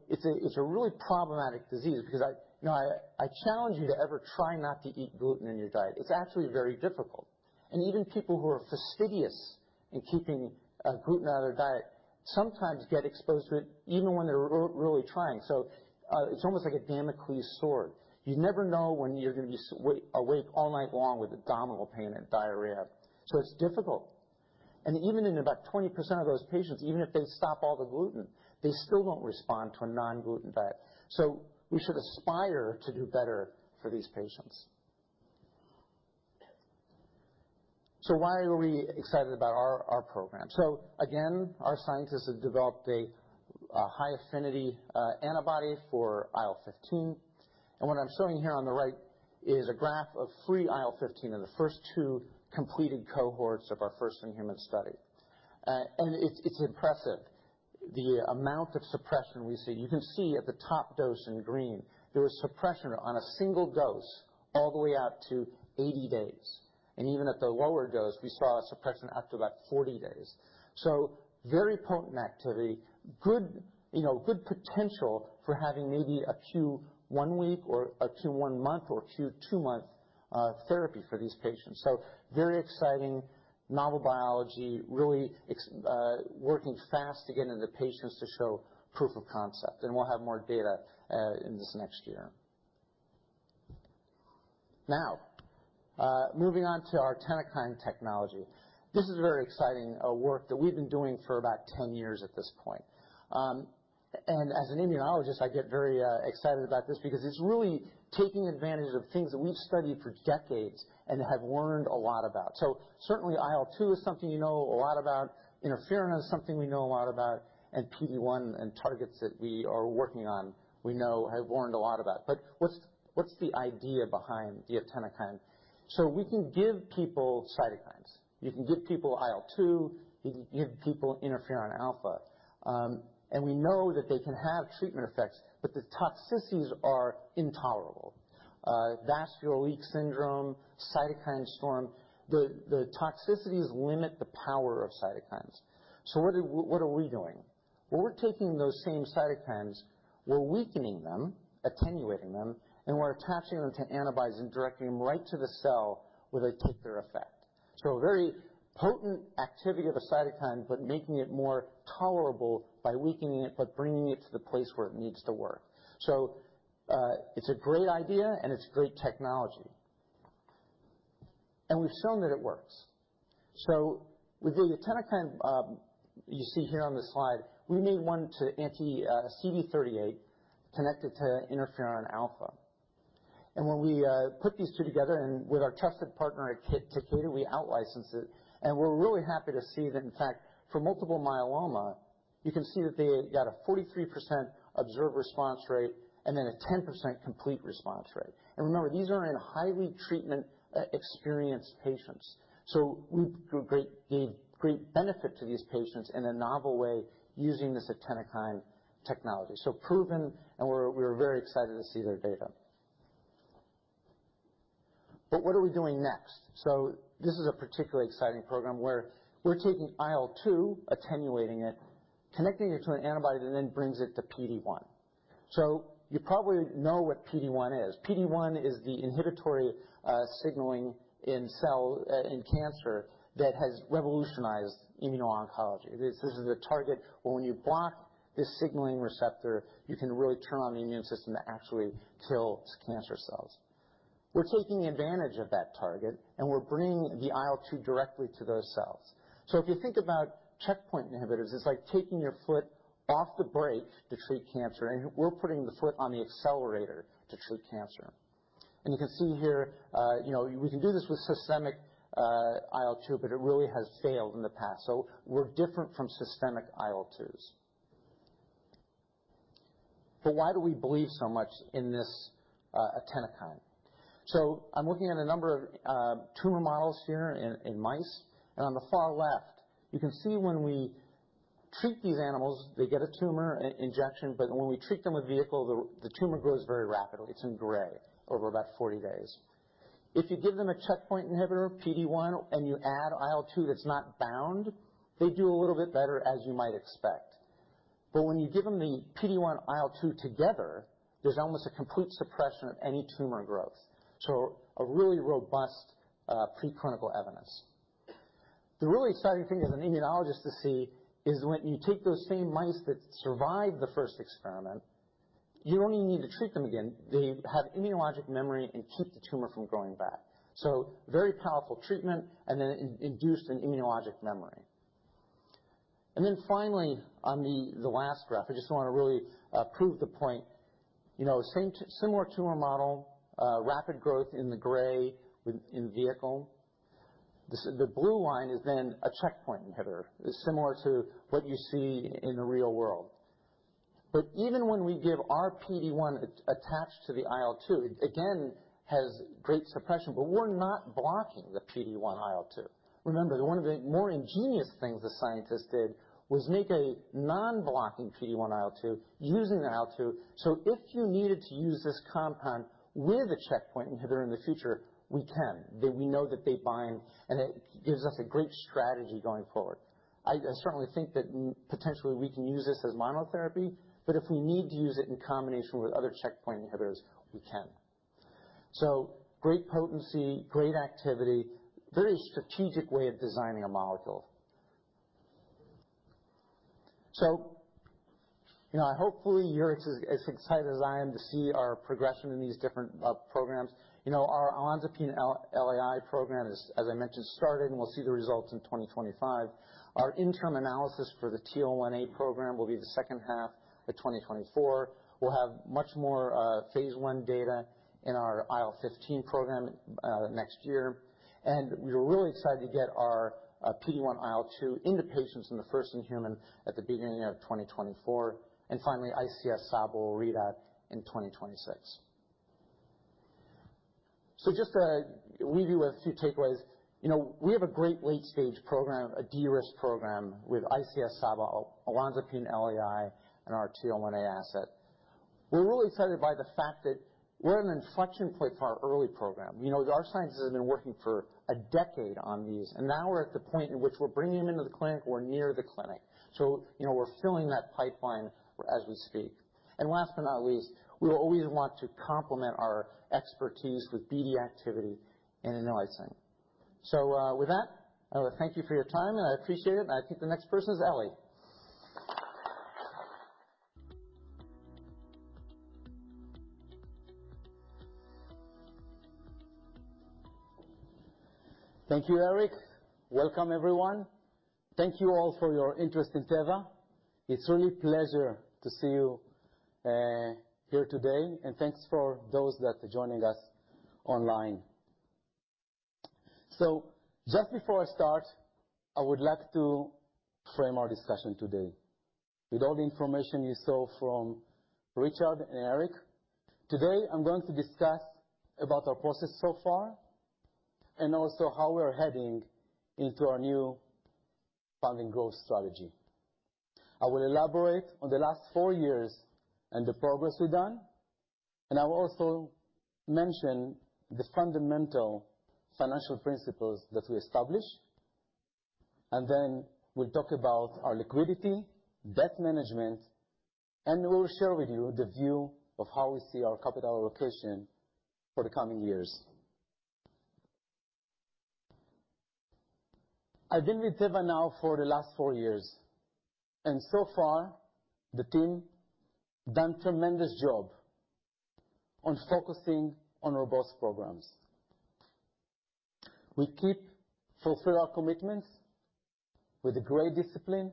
It's a really problematic disease because you know, I challenge you to ever try not to eat gluten in your diet. It's actually very difficult. Even people who are fastidious in keeping gluten out of their diet sometimes get exposed to it even when they're really trying. It's almost like a Sword of Damocles. You never know when you're gonna just awake all night long with abdominal pain and diarrhea. It's difficult. Even in about 20% of those patients, even if they stop all the gluten, they still don't respond to a non-gluten diet. We should aspire to do better for these patients. Why are we excited about our program? Again, our scientists have developed a high-affinity antibody for IL-15. What I'm showing here on the right is a graph of free IL-15 of the first two completed cohorts of our first-in-human study. It's impressive the amount of suppression we see. You can see at the top dose in green, there was suppression on a single dose all the way out to 80 days. Even at the lower dose, we saw a suppression out to about 40 days. Very potent activity. Good, you know, good potential for having maybe a Q one week or a Q one month or Q two-month therapy for these patients. Very exciting novel biology, really working fast to get into patients to show proof of concept. We'll have more data in this next year. Now, moving on to our Attenukine technology. This is very exciting work that we've been doing for about 10 years at this point. And as an immunologist, I get very excited about this because it's really taking advantage of things that we've studied for decades and have learned a lot about. Certainly IL-2 is something you know a lot about. Interferon is something we know a lot about. PD-1 and targets that we are working on, we know have learned a lot about. What's the idea behind the Attenukine? We can give people cytokines. You can give people IL-2. You can give people interferon alpha. We know that they can have treatment effects, but the toxicities are intolerable. Vascular leak syndrome, cytokine storm, the toxicities limit the power of cytokines. What are we doing? We're taking those same cytokines, we're weakening them, attenuating them, and we're attaching them to antibodies and directing them right to the cell where they take their effect. A very potent activity of a cytokine, but making it more tolerable by weakening it, but bringing it to the place where it needs to work. It's a great idea and it's great technology. We've shown that it works. With the Attenukine, you see here on the slide, we made one to anti-CD38 connected to interferon alpha. When we put these two together and with our trusted partner at Takeda, we outlicensed it, and we're really happy to see that, in fact, for multiple myeloma, you can see that they got a 43% observed response rate and then a 10% complete response rate. Remember, these are in highly treatment experienced patients. We gave great benefit to these patients in a novel way using this Attenukine technology. Proven, and we were very excited to see their data. What are we doing next? This is a particularly exciting program where we're taking IL-2, attenuating it, connecting it to an antibody that then brings it to PD-1. You probably know what PD-1 is. PD-1 is the inhibitory signaling in cell in cancer that has revolutionized immuno-oncology. This is a target where when you block this signaling receptor, you can really turn on the immune system to actually kill cancer cells. We're taking advantage of that target, and we're bringing the IL-2 directly to those cells. If you think about checkpoint inhibitors, it's like taking your foot off the brake to treat cancer, and we're putting the foot on the accelerator to treat cancer. You can see here, you know, we can do this with systemic IL-2, but it really has failed in the past. We're different from systemic IL-2s. Why do we believe so much in this Attenukine? I'm looking at a number of tumor models here in mice. On the far left, you can see when we treat these animals, they get a tumor in-injection, but when we treat them with vehicle, the tumor grows very rapidly. It's in gray over about 40 days. If you give them a checkpoint inhibitor, PD-1, and you add IL-2 that's not bound, they do a little bit better, as you might expect. When you give them the PD-1 IL-2 together, there's almost a complete suppression of any tumor growth. A really robust preclinical evidence. The really exciting thing as an immunologist to see is when you take those same mice that survived the first experiment, you don't even need to treat them again. They have immunologic memory and keep the tumor from growing back. Very powerful treatment and then induced an immunologic memory. Finally, on the last graph, I just wanna really prove the point. You know, same similar tumor model, rapid growth in the gray in vehicle. The blue line is then a checkpoint inhibitor. It's similar to what you see in the real world. Even when we give our PD-1-attached to the IL-2, it again, has great suppression, but we're not blocking the PD-1 IL-2. One of the more ingenious things the scientists did was make a non-blocking PD-1 IL-2 using the IL-2, so if you needed to use this compound with a checkpoint inhibitor in the future, we can. We know that they bind, and it gives us a great strategy going forward. I certainly think that potentially we can use this as monotherapy, but if we need to use it in combination with other checkpoint inhibitors, we can. Great potency, great activity, very strategic way of designing a molecule. You know, hopefully you're as excited as I am to see our progression in these different programs. You know, our olanzapine LAI program is, as I mentioned, started, and we'll see the results in 2025. Our interim analysis for the TL1A program will be the second half of 2024. We'll have much more phase I data in our IL-15 program next year. We're really excited to get our PD-1 IL-2 into patients in the first human at the beginning of 2024. Finally, ICS/SABA read out in 2026. Just to leave you with a few takeaways. You know, we have a great late-stage program, a de-risk program with ICS/SABA, olanzapine LAI, and our TL1A asset. We're really excited by the fact that we're at an inflection point for our early program. You know, our scientists have been working for a decade on these, and now we're at the point in which we're bringing them into the clinic. We're near the clinic, you know, we're filling that pipeline as we speak. Last but not least, we will always want to complement our expertise with BD activity and in licensing. With that, I thank you for your time, and I appreciate it. I think the next person is Eli. Thank you, Eric. Welcome, everyone. Thank you all for your interest in Teva. It's really pleasure to see you here today. Thanks for those that are joining us online. Just before I start, I would like to frame our discussion today. With all the information you saw from Richard and Eric, today I'm going to discuss about our process so far and also how we're heading into our new funding growth strategy. I will elaborate on the last four years and the progress we've done, and I will also mention the fundamental financial principles that we established. Then we'll talk about our liquidity, debt management, and we'll share with you the view of how we see our capital allocation for the coming years. I've been with Teva now for the last four years, and so far the team done tremendous job on focusing on robust programs. We keep fulfill our commitments with a great discipline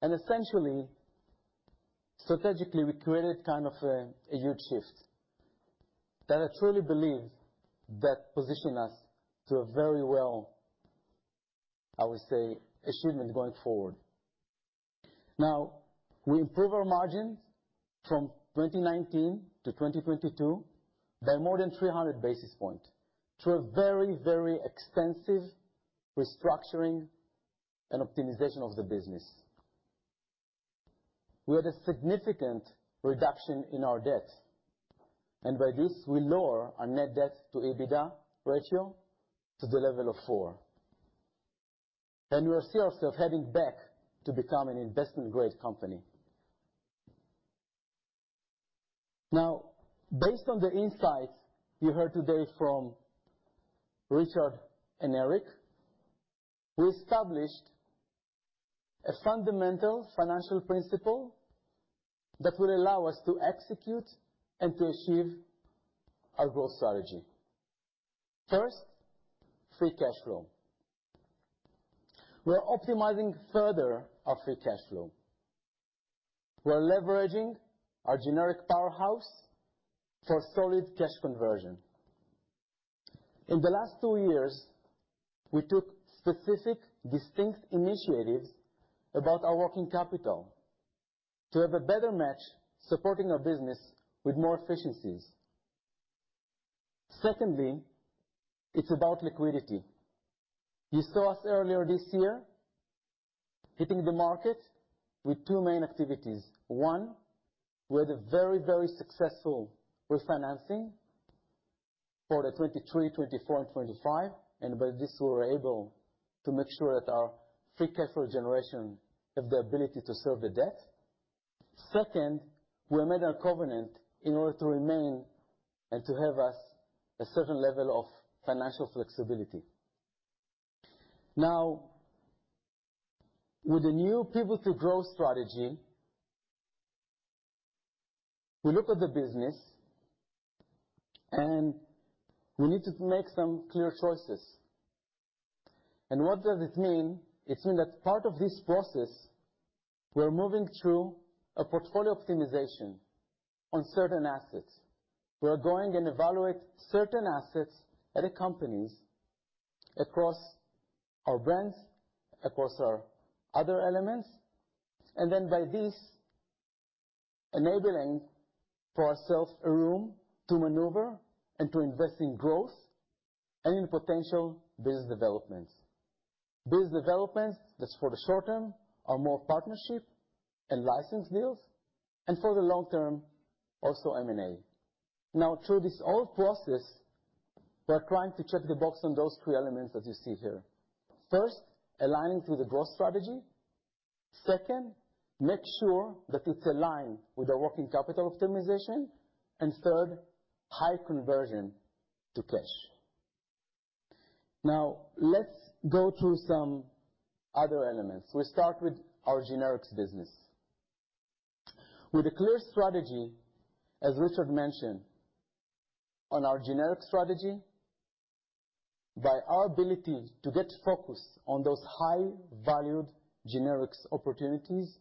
and essentially, strategically, we created kind of a huge shift that I truly believe that position us to a very well, I would say, achievement going forward. We improve our margins from 2019 to 2022 by more than 300 basis point to a very extensive restructuring and optimization of the business. We had a significant reduction in our debt, and by this we lower our net debt to EBITDA ratio to the level of four, and we will see ourselves heading back to become an investment-grade company. Based on the insights you heard today from Richard and Eric, we established a fundamental financial principle that will allow us to execute and to achieve our growth strategy. First, free cash flow. We're optimizing further our free cash flow. We're leveraging our generic powerhouse for solid cash conversion. In the last two years, we took specific, distinct initiatives about our working capital to have a better match, supporting our business with more efficiencies. Secondly, it's about liquidity. You saw us earlier this year hitting the market with two main activities. One, we had a very successful refinancing for the 2023, 2024, and 2025. By this we were able to make sure that our free cash flow generation have the ability to serve the debt. Second, we made a covenant in order to remain and to have us a certain level of financial flexibility. Now, with the new Pivot to Growth strategy, we look at the business and we need to make some clear choices. What does it mean? It means that part of this process, we're moving through a portfolio optimization on certain assets. We are going and evaluate certain assets at the companies across our brands, across our other elements, and then by this enabling for ourselves a room to maneuver and to invest in growth and in potential business developments. Business developments, that's for the short term, are more partnership and license deals, and for the long term, also M&A. Through this whole process, we're trying to check the box on those three elements, as you see here. First, aligning to the growth strategy. Second, make sure that it's aligned with the working capital optimization. Third, high conversion to cash. Let's go through some other elements. We start with our generics business. With a clear strategy, as Richard mentioned, on our generic strategy, by our ability to get focused on those high valued generics opportunities,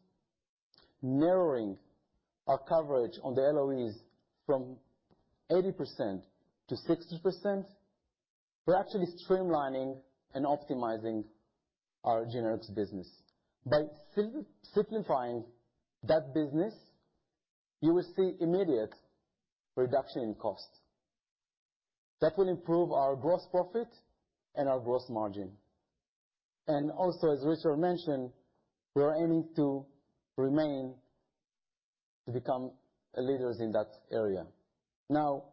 narrowing our coverage on the LOEs from 80% to 60%, we're actually streamlining and optimizing our generics business. By simplifying that business, you will see immediate reduction in costs. That will improve our gross profit and our gross margin. Also, as Richard mentioned, we are aiming to remain to become leaders in that area. Now,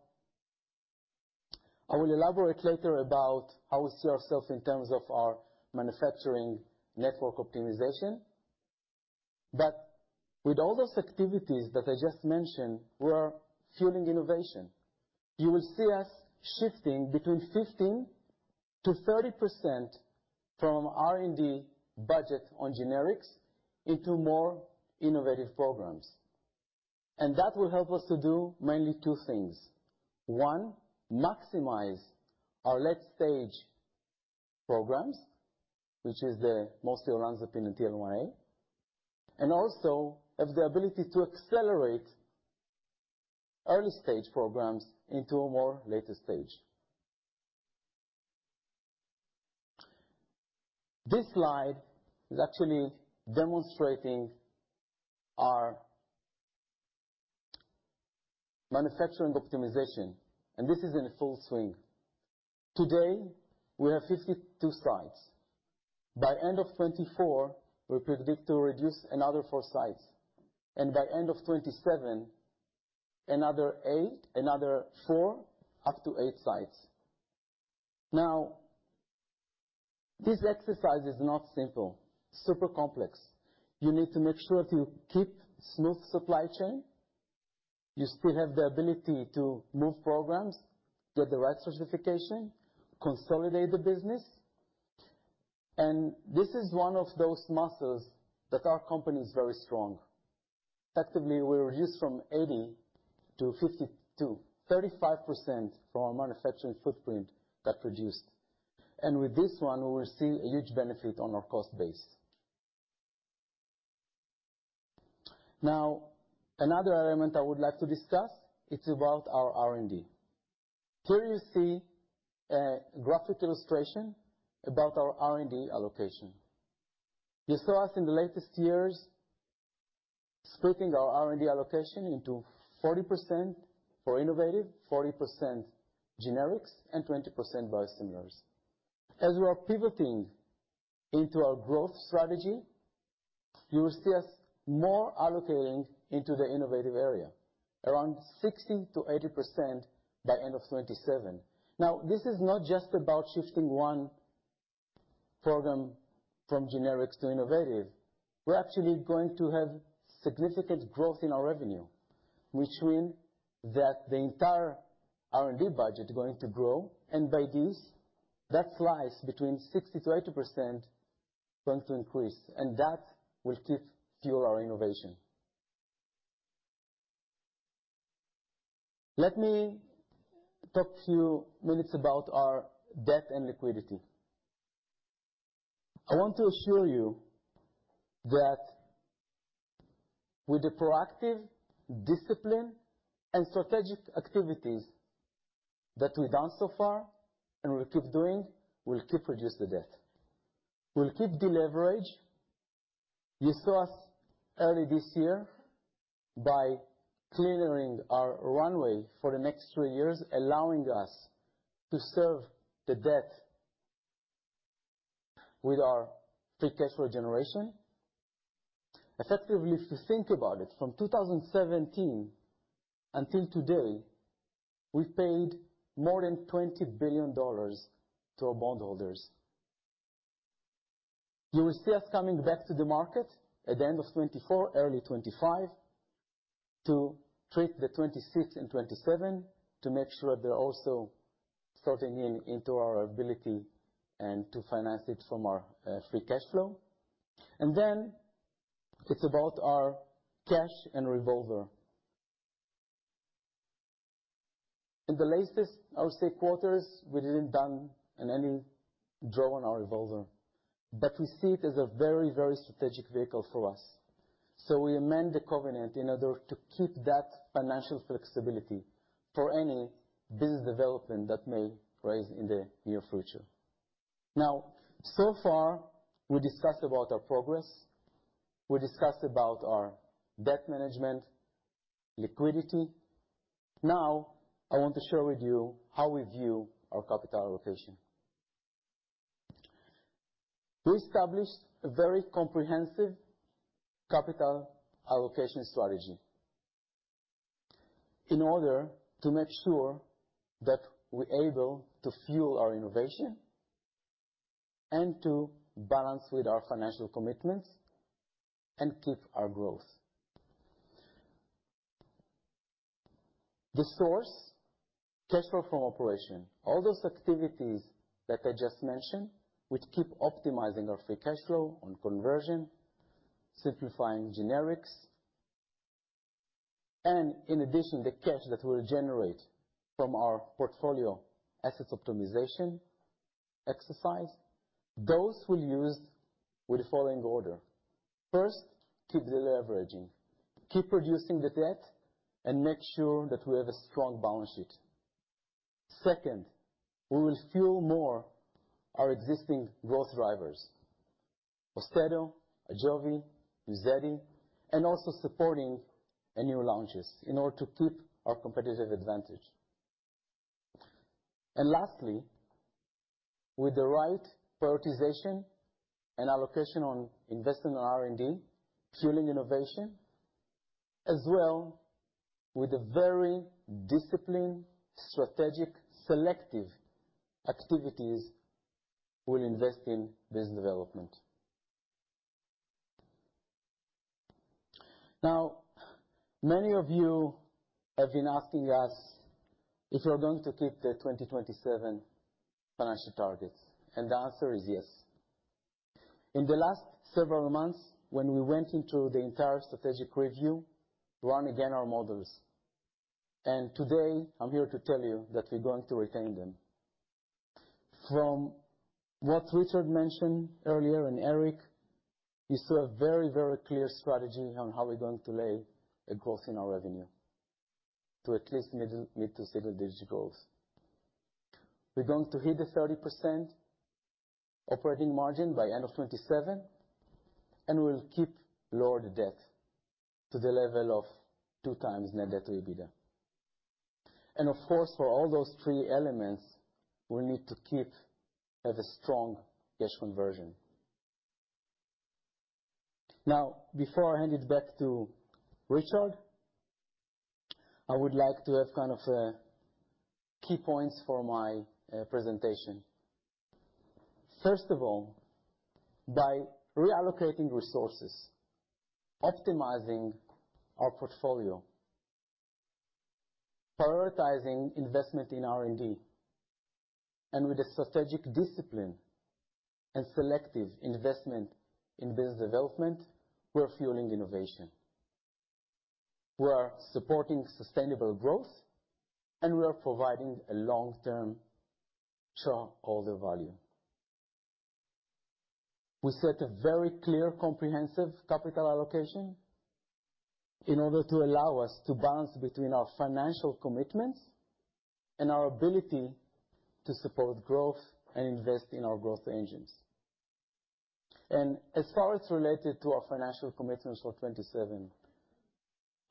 I will elaborate later about how we see ourselves in terms of our manufacturing network optimization. With all those activities that I just mentioned, we are fueling innovation. You will see us shifting between 15%-30% from R&D budget on generics into more innovative programs. That will help us to do mainly two things. One, maximize our late-stage programs, which is the mostly olanzapine and TL1A. Also have the ability to accelerate early-stage programs into a more later stage. This slide is actually demonstrating our manufacturing optimization. This is in full swing. Today, we have 52 sites. By end of 2024, we predict to reduce another four sites. By end of 2027, another four up to eight sites. This exercise is not simple, super complex. You need to make sure to keep smooth supply chain. You still have the ability to move programs, get the right certification, consolidate the business. This is one of those muscles that our company is very strong. Effectively, we reduce from 80 to 52, 35% from our manufacturing footprint that reduced. With this one, we will see a huge benefit on our cost base. Now, another element I would like to discuss, it's about our R&D. Here you see a graphic illustration about our R&D allocation. You saw us in the latest years splitting our R&D allocation into 40% for innovative, 40% generics, and 20% biosimilars. As we are pivoting into our growth strategy, you will see us more allocating into the innovative area, around 60%-80% by end of 2027. Now, this is not just about shifting one program from generics to innovative. We're actually going to have significant growth in our revenue, which mean that the entire R&D budget is going to grow, and by this, that slice between 60%-80% is going to increase, and that will keep fuel our innovation. Let me talk to you minutes about our debt and liquidity. I want to assure you that with the proactive discipline and strategic activities that we've done so far and we'll keep doing, we'll keep reduce the debt. We'll keep deleverage. You saw us early this year by clearing our runway for the next three years, allowing us to serve the debt with our free cash flow generation. Effectively, if you think about it, from 2017 until today, we paid more than $20 billion to our bondholders. You will see us coming back to the market at the end of 2024, early 2025, to treat the 2026 and 2027 to make sure they're also sorting into our ability and to finance it from our free cash flow. Then it's about our cash and revolver. In the latest, I would say, quarters, we didn't done in any draw on our revolver, but we see it as a very, very strategic vehicle for us. We amend the covenant in order to keep that financial flexibility for any business development that may arise in the near future. So far, we discussed about our progress, we discussed about our debt management, liquidity. I want to share with you how we view our capital allocation. We established a very comprehensive capital allocation strategy in order to make sure that we're able to fuel our innovation and to balance with our financial commitments and keep our growth. The source, cash flow from operation, all those activities that I just mentioned, which keep optimizing our free cash flow on conversion, simplifying generics, and in addition, the cash that we'll generate from our portfolio assets optimization exercise. Those we'll use with the following order. First, keep the leveraging, keep reducing the debt and make sure that we have a strong balance sheet. Second, we will fuel more our existing growth drivers, AUSTEDO, AJOVY, UZEDY, and also supporting a new launches in order to keep our competitive advantage. Lastly, with the right prioritization and allocation on investment on R&D, fueling innovation, as well with a very disciplined, strategic, selective activities, we'll invest in business development. Many of you have been asking us if we're going to keep the 2027 financial targets, and the answer is yes. In the last several months, when we went into the entire strategic review, run again our models. Today, I'm here to tell you that we're going to retain them. From what Richard mentioned earlier, and Eric, you saw a very, very clear strategy on how we're going to lay a growth in our revenue to at least mid to single-digit growth. We're going to hit the 30% operating margin by end of 2027, and we'll keep lower debt to the level of 2x net debt to EBITDA. Of course, for all those three elements, we need to keep as a strong cash conversion. Now, before I hand it back to Richard, I would like to have kind of a key points for my presentation. First of all, by reallocating resources, optimizing our portfolio, prioritizing investment in R&D, and with the strategic discipline and selective investment in business development, we're fueling innovation. We are supporting sustainable growth, and we are providing a long-term shareholder value. We set a very clear comprehensive capital allocation in order to allow us to balance between our financial commitments and our ability to support growth and invest in our growth engines. As far as related to our financial commitments for 2027,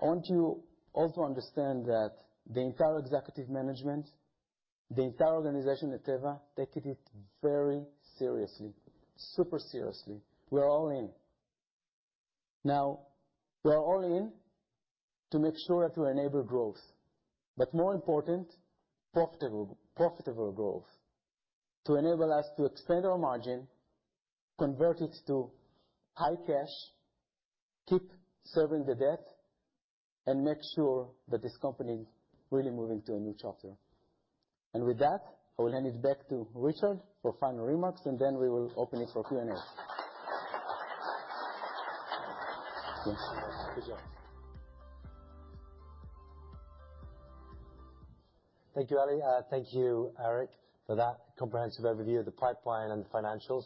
I want you all to understand that the entire executive management, the entire organization at Teva, taking it very seriously, super seriously. We are all in. Now, we are all in to make sure that we enable growth. More important, profitable growth to enable us to expand our margin, convert it to high cash, keep serving the debt, and make sure that this company is really moving to a new chapter. With that, I will hand it back to Richard for final remarks, and then we will open it for Q&A. Thanks. Good job. Thank you, Eli. Thank you, Eric, for that comprehensive overview of the pipeline and the financials.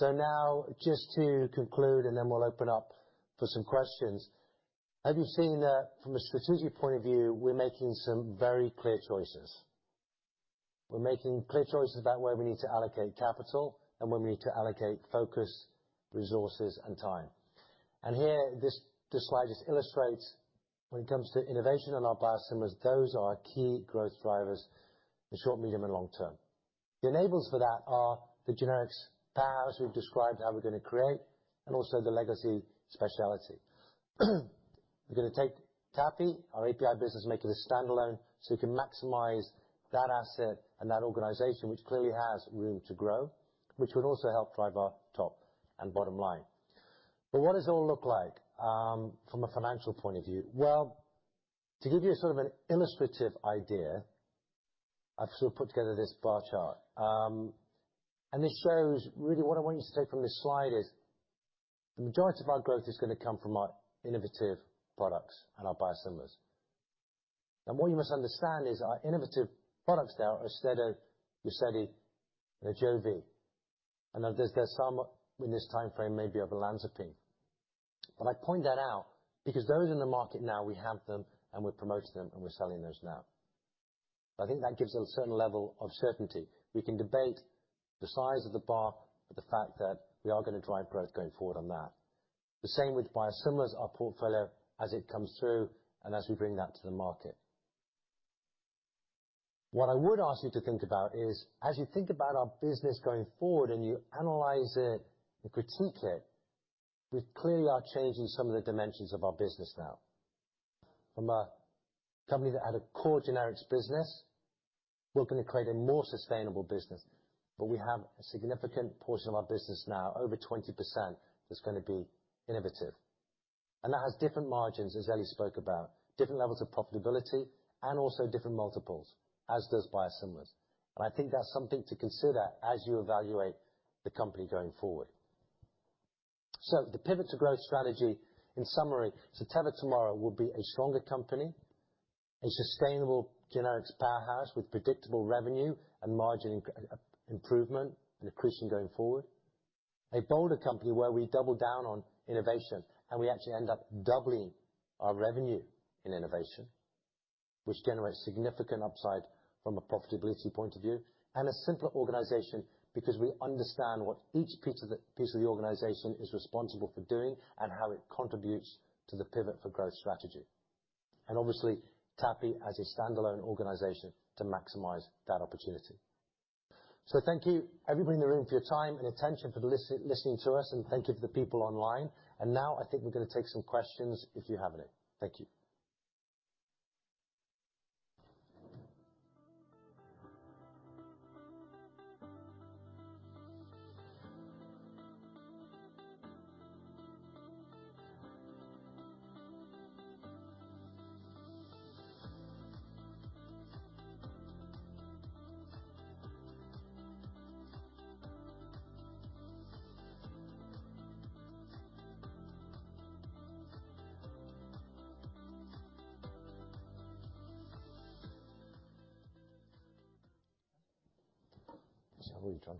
Now just to conclude, and then we'll open up for some questions. As you've seen that from a strategic point of view, we're making some very clear choices. We're making clear choices about where we need to allocate capital and where we need to allocate focus, resources, and time. Here, this slide just illustrates when it comes to innovation and our biosimilars, those are our key growth drivers in short, medium, and long term. The enables for that are the generics power, as we've described, how we're going to create, and also the legacy specialty. We're gonna take TAPI, our API business, make it a standalone, so we can maximize that asset and that organization, which clearly has room to grow, which would also help drive our top and bottom line. What does it all look like from a financial point of view? Well, to give you a sort of an illustrative idea, I've sort of put together this bar chart. This shows really what I want you to take from this slide is the majority of our growth is gonna come from our innovative products and our biosimilars. What you must understand is our innovative products now, AUSTEDO, UZEDY, AJOVY, and there's some in this timeframe maybe of olanzapine. I point that out because those in the market now, we have them and we're promoting them and we're selling those now. I think that gives a certain level of certainty. We can debate the size of the bar, but the fact that we are gonna drive growth going forward on that. The same with biosimilars, our portfolio as it comes through and as we bring that to the market. What I would ask you to think about is as you think about our business going forward and you analyze it and critique it, we clearly are changing some of the dimensions of our business now. From a company that had a core generics business, we're gonna create a more sustainable business, but we have a significant portion of our business now, over 20%, that's gonna be innovative. That has different margins, as Eli spoke about, different levels of profitability and also different multiples, as does biosimilars. I think that's something to consider as you evaluate the company going forward. The Pivot to Growth strategy, in summary, Teva tomorrow will be a stronger company, a sustainable generics powerhouse with predictable revenue and margin improvement and increasing going forward. A bolder company where we double down on innovation, and we actually end up doubling our revenue in innovation, which generates significant upside from a profitability point of view. A simpler organization because we understand what each piece of the organization is responsible for doing and how it contributes to the Pivot to Growth strategy. Obviously, TAPI as a standalone organization to maximize that opportunity. Thank you everybody in the room for your time and attention, for listening to us, and thank you to the people online. Now I think we're gonna take some questions if you have any. Thank you.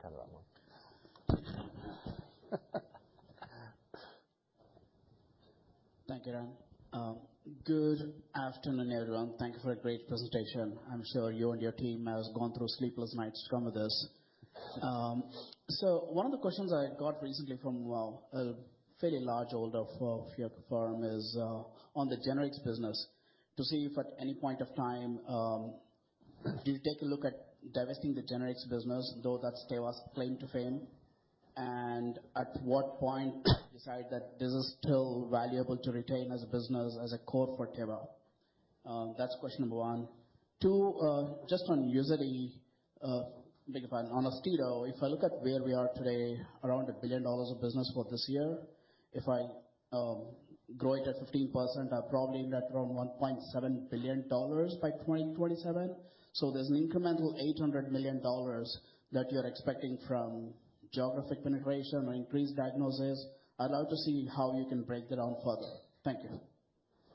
Shall we drunk out of that one? Thank you. Good afternoon, everyone. Thank you for a great presentation. I'm sure you and your team has gone through sleepless nights to come with this. One of the questions I got recently from a fairly large holder for your firm is on the generics business to see if at any point of time do you take a look at divesting the generics business, though that's Teva's claim to fame? At what point do you decide that this is still valuable to retain as a business, as a core for Teva? That's question number one. Two, just on UZEDY, big fan. On AUSTEDO, if I look at where we are today, around $1 billion of business for this year. If I grow it at 15%, I'd probably end at around $1.7 billion by 2027. There's an incremental $800 million that you're expecting from geographic penetration or increased diagnosis. I'd love to see how you can break that down further. Thank you.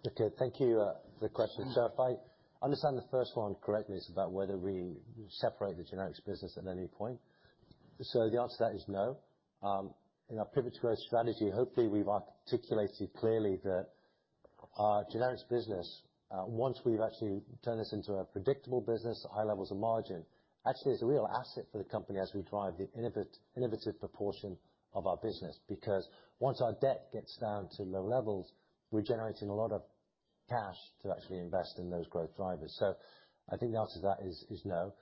Okay. Thank you for the question. If I understand the first one correctly, it's about whether we separate the generics business at any point. The answer to that is no. In our Pivot to Growth strategy, hopefully we've articulated clearly that our generics business, once we've actually turned this into a predictable business at high levels of margin, actually is a real asset for the company as we drive the innovative proportion of our business. Because once our debt gets down to low levels, we're generating a lot of cash to actually invest in those growth drivers. I think the answer to that is no.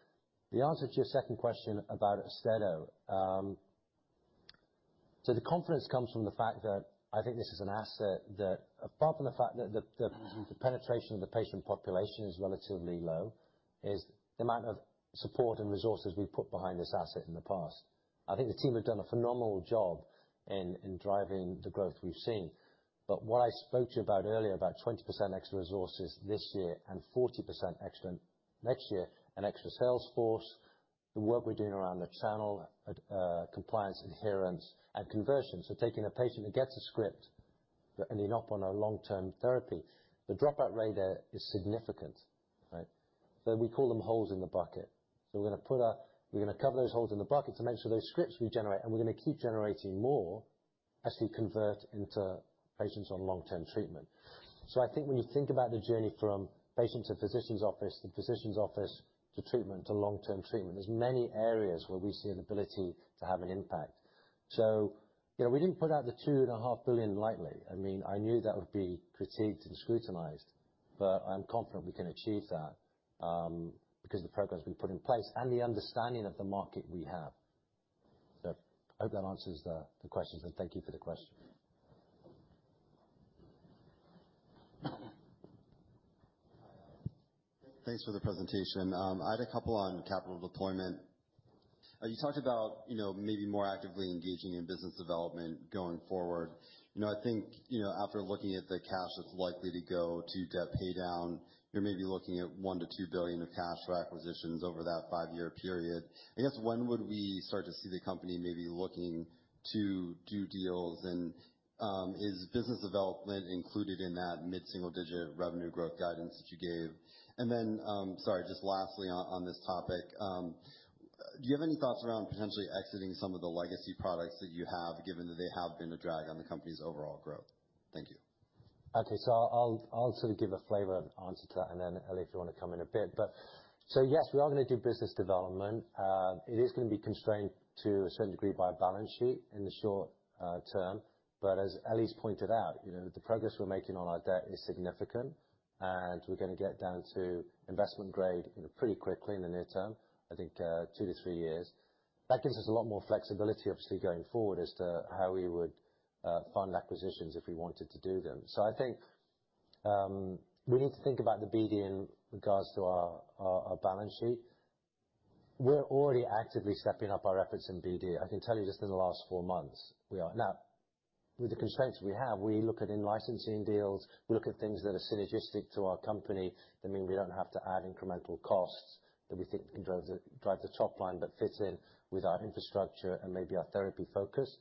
The answer to your second question about AUSTEDO. The confidence comes from the fact that I think this is an asset that apart from the fact that the penetration of the patient population is relatively low, is the amount of support and resources we've put behind this asset in the past. I think the team have done a phenomenal job in driving the growth we've seen. What I spoke to you about earlier, about 20% extra resources this year and 40% extra next year and extra sales force, the work we're doing around the channel, compliance, adherence and conversion. Taking a patient that gets a script but ending up on a long-term therapy, the dropout rate there is significant, right. We call them holes in the bucket. We're gonna cover those holes in the bucket to make sure those scripts regenerate. We're gonna keep generating more as we convert into patients on long-term treatment. I think when you think about the journey from patient to physician's office, the physician's office to treatment to long-term treatment, there's many areas where we see an ability to have an impact. You know, we didn't put out the two and a half billion lightly. I mean, I knew that would be critiqued and scrutinized, but I'm confident we can achieve that because the progress we've put in place and the understanding of the market we have. I hope that answers the questions and thank you for the question. Thanks for the presentation. I had a couple on capital deployment. You talked about, you know, maybe more actively engaging in business development going forward. After looking at the cash that's likely to go to debt pay down, you're maybe looking at $1 billion-$2 billion of cash for acquisitions over that five-year period. I guess when would we start to see the company maybe looking to do deals? Is business development included in that mid-single-digit revenue growth guidance that you gave? Sorry, just lastly on this topic. Do you have any thoughts around potentially exiting some of the legacy products that you have, given that they have been a drag on the company's overall growth? Thank you. I'll sort of give a flavor answer to that and then, Eli, if you wanna come in a bit. Yes, we are gonna do business development. It is gonna be constrained to a certain degree by our balance sheet in the short term. As Eli's pointed out, you know, the progress we're making on our debt is significant and we're gonna get down to investment grade, you know, pretty quickly in the near term, I think, two to three years. That gives us a lot more flexibility obviously going forward as to how we would fund acquisitions if we wanted to do them. I think we need to think about the BD in regards to our balance sheet. We're already actively stepping up our efforts in BD. I can tell you just in the last four months we are. Now, with the constraints we have, we look at in-licensing deals, we look at things that are synergistic to our company, that mean we don't have to add incremental costs that we think can drive the top line, but fit in with our infrastructure and maybe our therapy focus.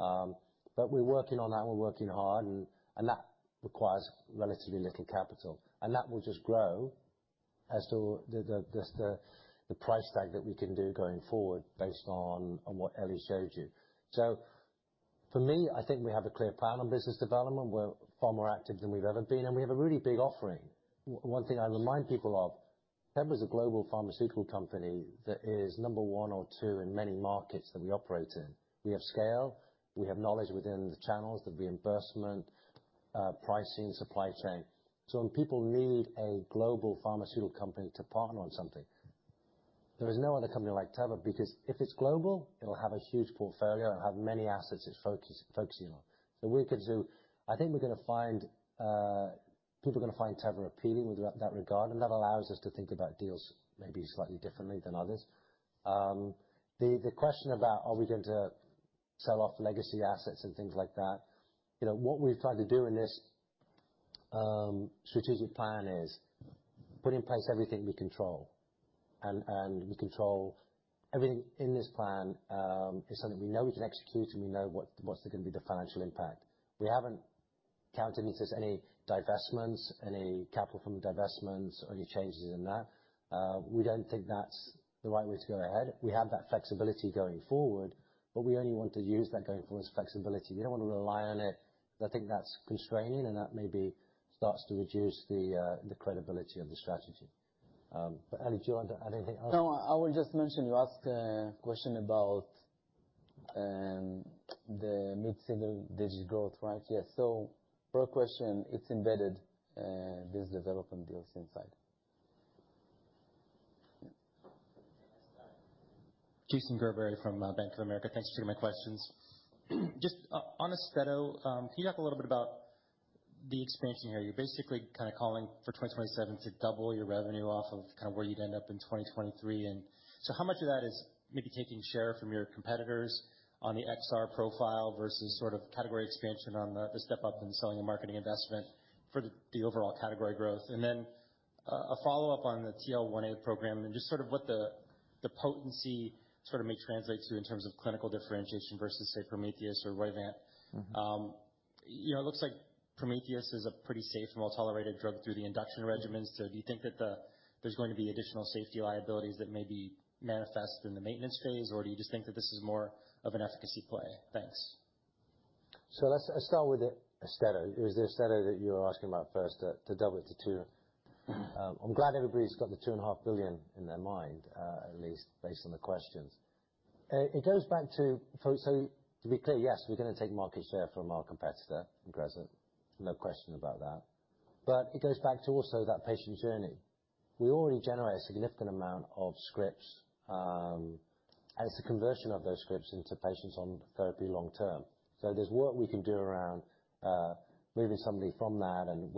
We're working on that and we're working hard, and that requires relatively little capital. That will just grow as to the price tag that we can do going forward based on what Eli showed you. For me, I think we have a clear plan on business development. We're far more active than we've ever been, and we have a really big offering. One thing I remind people of, Teva is a global pharmaceutical company that is number one or two in many markets that we operate in. We have scale, we have knowledge within the channels, the reimbursement, pricing, supply chain. When people need a global pharmaceutical company to partner on something, there is no other company like Teva, because if it's global, it'll have a huge portfolio, it'll have many assets it's focusing on. I think we're gonna find people are gonna find Teva appealing with that regard, and that allows us to think about deals maybe slightly differently than others. The question about are we going to sell off legacy assets and things like that, you know, what we've tried to do in this strategic plan is put in place everything we control. We control everything in this plan is something we know we can execute, and we know what's going to be the financial impact. We haven't counted into this any divestments, any capital from divestments or any changes in that. We don't think that's the right way to go ahead. We have that flexibility going forward, but we only want to use that going forward as flexibility. We don't want to rely on it. I think that's constraining, and that maybe starts to reduce the credibility of the strategy. Elie, do you want to add anything else? No. I would just mention, you asked a question about, the mid-single digits growth, right? Yeah. Per question, it's embedded, business development deals inside. Yeah. Jason Gerberry from Bank of America. Thanks for taking my questions. Just on AUSTEDO, can you talk a little bit about the expansion here? You're basically kind of calling for 2027 to double your revenue off of kind of where you'd end up in 2023. How much of that is maybe taking share from your competitors on the XR profile versus sort of category expansion on the step up in selling and marketing investment for the overall category growth? A follow-up on the TL1A program and just sort of what the potency sort of may translate to in terms of clinical differentiation versus, say, Prometheus or Roivant. Mm-hmm. You know, it looks like Prometheus is a pretty safe, well-tolerated drug through the induction regimens. Do you think there's going to be additional safety liabilities that may be manifest in the maintenance phase? Do you just think that this is more of an efficacy play? Thanks. Let's start with the AUSTEDO. It was the AUSTEDO that you were asking about first, to double it to two. I'm glad everybody's got the $2.5 billion in their mind, at least based on the questions. To be clear, yes, we're gonna take market share from our competitor in Crescent. No question about that. It goes back to also that patient journey. We already generate a significant amount of scripts, as a conversion of those scripts into patients on therapy long term. There's work we can do around moving somebody from that and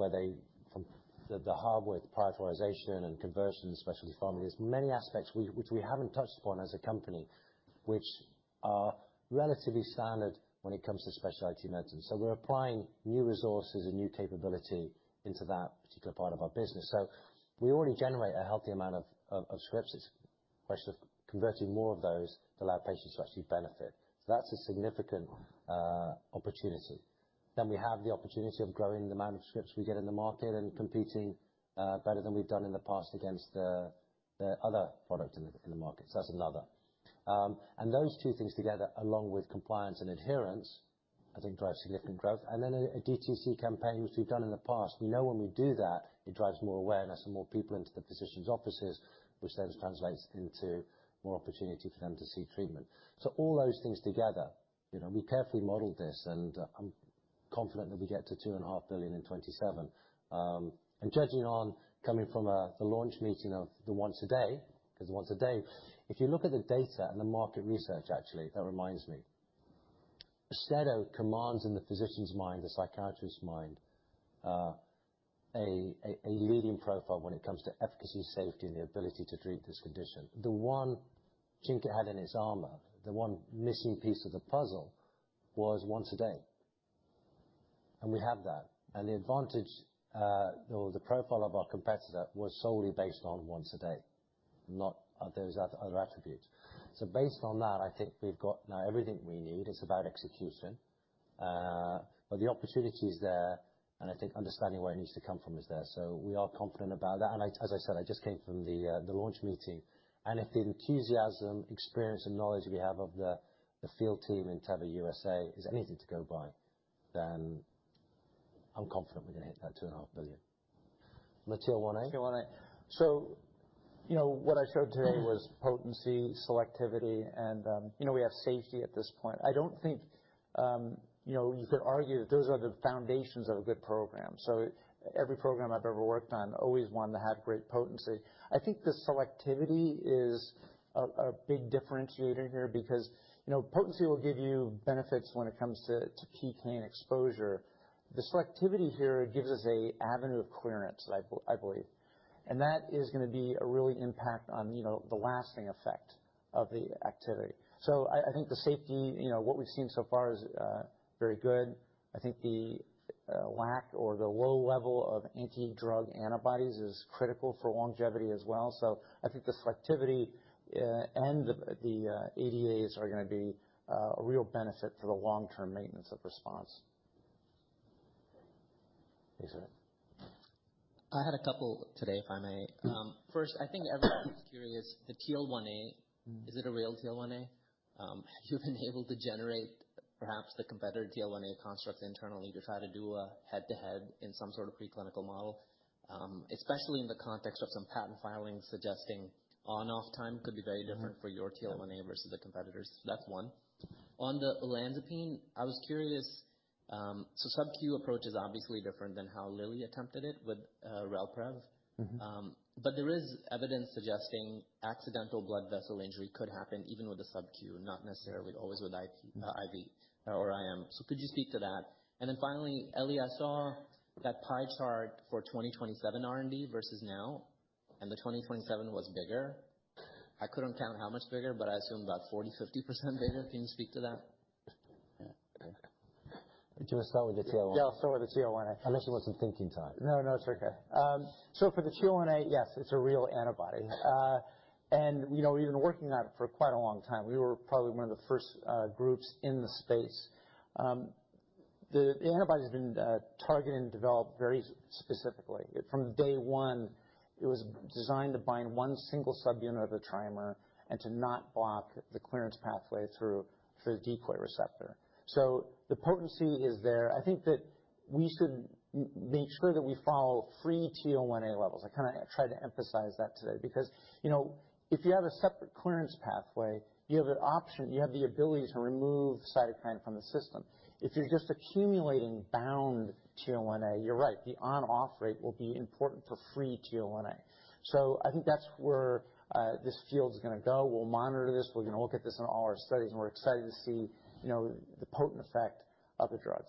from the hardware, the prioritization and conversion, specialty pharmacies, many aspects which we haven't touched upon as a company, which are relatively standard when it comes to specialty medicine. We're applying new resources and new capability into that particular part of our business. We already generate a healthy amount of scripts. It's a question of converting more of those to allow patients to actually benefit. That's a significant opportunity. We have the opportunity of growing the amount of scripts we get in the market and competing better than we've done in the past against the other products in the market. That's another. Those two things together, along with compliance and adherence, I think drive significant growth. Then a DTC campaign, which we've done in the past, we know when we do that, it drives more awareness and more people into the physician's offices, which then translates into more opportunity for them to seek treatment. All those things together, you know, we carefully modeled this, and I'm confident that we get to $2.5 billion in 2027. Judging on coming from the launch meeting of the once a day, because once a day, if you look at the data and the market research, actually, that reminds me. AUSTEDO commands in the physician's mind, the psychiatrist's mind, a leading profile when it comes to efficacy, safety, and the ability to treat this condition. The one chink it had in its armor, the one missing piece of the puzzle was once a day, and we have that. The advantage, or the profile of our competitor was solely based on once a day, not those other attributes. Based on that, I think we've got now everything we need. It's about execution. The opportunity is there, and I think understanding where it needs to come from is there. We are confident about that. I, as I said, I just came from the launch meeting, if the enthusiasm, experience and knowledge we have of the field team in Teva USA is anything to go by, I'm confident we're gonna hit that $2.5 billion. On the TL1A? TL1A. You know, what I showed today was potency, selectivity, and, you know, we have safety at this point. I don't think, you know, you could argue those are the foundations of a good program. Every program I've ever worked on always wanted to have great potency. I think the selectivity is a big differentiator here because, you know, potency will give you benefits when it comes to key chain exposure. The selectivity here gives us a avenue of clearance, I believe. That is gonna be a really impact on, you know, the lasting effect of the activity. I think the safety, you know, what we've seen so far is very good. I think the lack or the low level of anti-drug antibodies is critical for longevity as well. I think the selectivity, and the ADAs are gonna be a real benefit for the long-term maintenance of response. Umer. I had a couple today, if I may. First, I think everybody's curious, the TL1A, is it a real TL1A? Have you been able to generate perhaps the competitor TL1A construct internally to try to do a head-to-head in some sort of preclinical model? Especially in the context of some patent filings suggesting on/off time could be very different for your TL1A versus the competitors. That's one. On the olanzapine, I was curious, sub-Q approach is obviously different than how Lilly attempted it with Relprevv. Mm-hmm. There is evidence suggesting accidental blood vessel injury could happen even with a sub-Q, not necessarily always with IV or IM. Could you speak to that? Finally, Eli, I saw that pie chart for 2027 R&D versus now, and the 2027 was bigger. I couldn't count how much bigger, but I assume about 40%, 50% bigger. Can you speak to that? Yeah. Okay. Do you wanna start with the TL1A? Yeah, I'll start with the TL1A. Unless it was some thinking time. No, no, it's okay. For the TL1A, yes, it's a real antibody. You know, we've been working on it for quite a long time. We were probably one of the first groups in the space. The antibody's been targeted and developed very specifically. From day one, it was designed to bind one single subunit of the trimer and to not block the clearance pathway through the decoy receptor. The potency is there. I think that we should make sure that we follow free TL1A levels. I kinda try to emphasize that today because, you know, if you have a separate clearance pathway, you have an option, you have the ability to remove cytokine from the system. If you're just accumulating bound TL1A, you're right, the on/off rate will be important for free TL1A. I think that's where this field is gonna go. We'll monitor this. We're gonna look at this in all our studies, and we're excited to see, you know, the potent effect of the drug.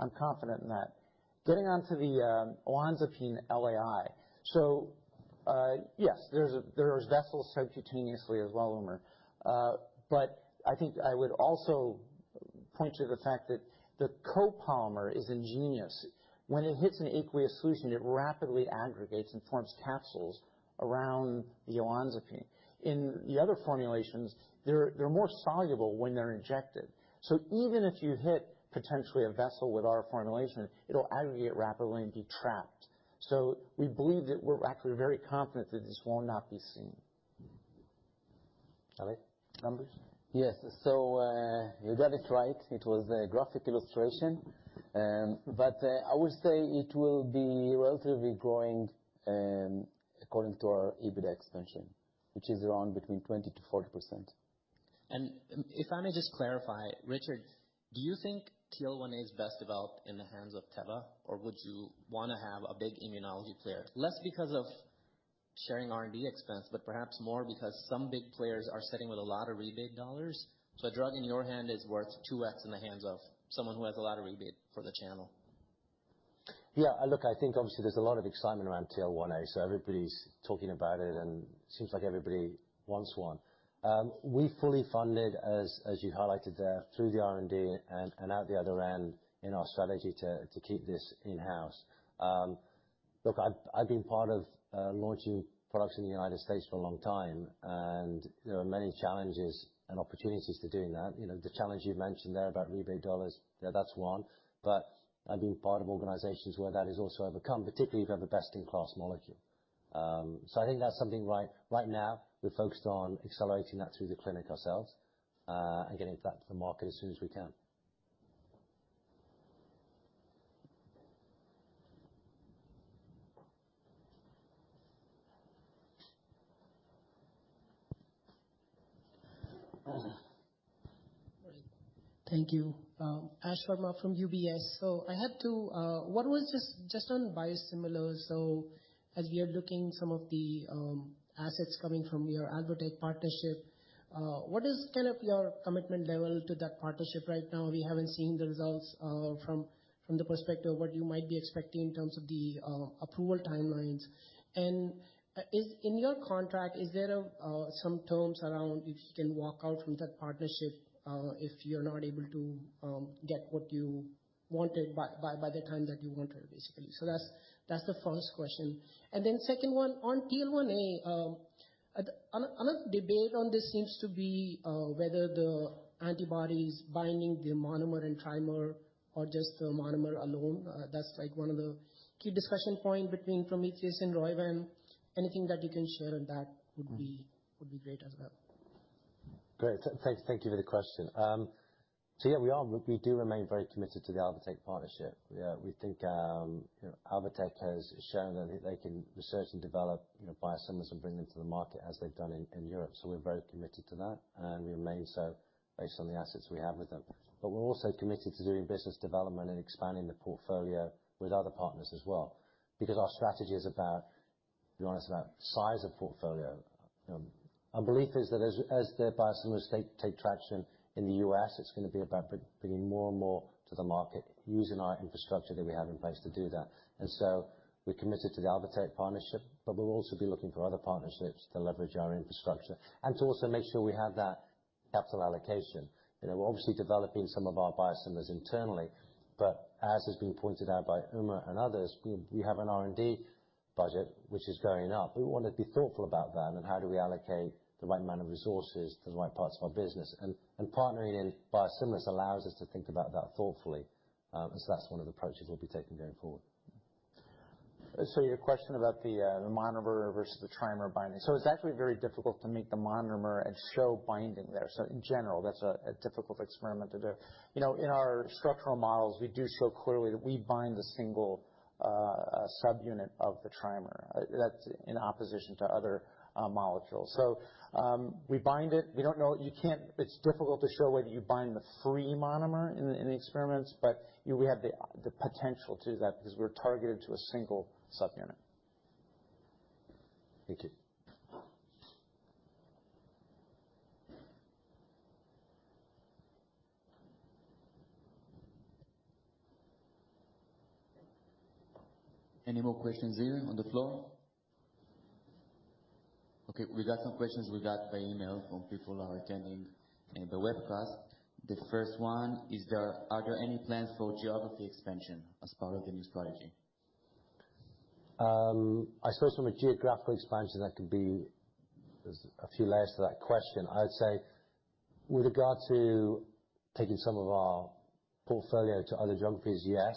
I'm confident in that. Getting on to the olanzapine LAI. Yes, there's vessels subcutaneously as well, Umer. I think I would also point to the fact that the copolymer is ingenious. When it hits an aqueous solution, it rapidly aggregates and forms capsules around the olanzapine. In the other formulations, they're more soluble when they're injected. Even if you hit potentially a vessel with our formulation, it'll aggregate rapidly and be trapped. We believe that we're actually very confident that this will not be seen. Eli, numbers? Yes. you got it right. It was a graphic illustration. I would say it will be relatively growing, according to our EBITDA expansion, which is around between 20%-40%. If I may just clarify, Richard, do you think TL1A is best developed in the hands of Teva, or would you wanna have a big immunology player? Less because of sharing R&D expense, but perhaps more because some big players are sitting with a lot of rebate dollars. A drug in your hand is worth 2x in the hands of someone who has a lot of rebate for the channel. Look, I think obviously there's a lot of excitement around TL1A, so everybody's talking about it and seems like everybody wants one. We fully funded as you highlighted there through the R&D and out the other end in our strategy to keep this in-house. Look, I've been part of launching products in the United States for a long time, and there are many challenges and opportunities to doing that. You know, the challenge you've mentioned there about rebate dollars, yeah, that's one. I've been part of organizations where that is also overcome, particularly if you have a best-in-class molecule. I think that's something right now we're focused on accelerating that through the clinic ourselves and getting it back to the market as soon as we can. Right. Thank you. Ash Verma from UBS. I had two, one was just on biosimilars. As we are looking some of the assets coming from your Alvotech partnership, what is kind of your commitment level to that partnership right now? We haven't seen the results from the perspective of what you might be expecting in terms of the approval timelines. In your contract, is there some terms around if you can walk out from that partnership, if you're not able to get what you wanted by the time that you wanted basically? That's the first question. Second one, on TL1A, another debate on this seems to be whether the antibody's binding the monomer and trimer or just the monomer alone. That's like one of the key discussion point between from Prometheus and Roivant. Anything that you can share on that would be great as well. Great. Thank you for the question. Yeah, we do remain very committed to the Alvotech partnership. Yeah, we think, you know, Alvotech has shown that they can research and develop, you know, biosimilars and bring them to the market as they've done in Europe. So we're very committed to that, and we remain so based on the assets we have with them. We're also committed to doing business development and expanding the portfolio with other partners as well, because our strategy is about being honest about size of portfolio. Our belief is that as their biosimilars take traction in the US, it's gonna be about bringing more and more to the market using our infrastructure that we have in place to do that. We're committed to the Alvotech partnership, but we'll also be looking for other partnerships to leverage our infrastructure and to also make sure we have that capital allocation. You know, we're obviously developing some of our biosimilars internally, but as has been pointed out by Umer and others, we have an R&D budget which is going up. We wanna be thoughtful about that and how do we allocate the right amount of resources to the right parts of our business. And partnering in biosimilars allows us to think about that thoughtfully. That's one of the approaches we'll be taking going forward. Your question about the monomer versus the trimer binding. It's actually very difficult to meet the monomer and show binding there. In general, that's a difficult experiment to do. You know, in our structural models, we do show clearly that we bind the single subunit of the trimer. That's in opposition to other molecules. We bind it. It's difficult to show whether you bind the free monomer in the experiments, but we have the potential to that because we're targeted to a single subunit. Thank you. Any more questions here on the floor? Okay, we got some questions we got by email from people who are attending the webcast. The first one, are there any plans for geography expansion as part of the new strategy? I suppose from a geographical expansion, that could be. There's a few layers to that question. I would say with regard to taking some of our portfolio to other geographies, yes.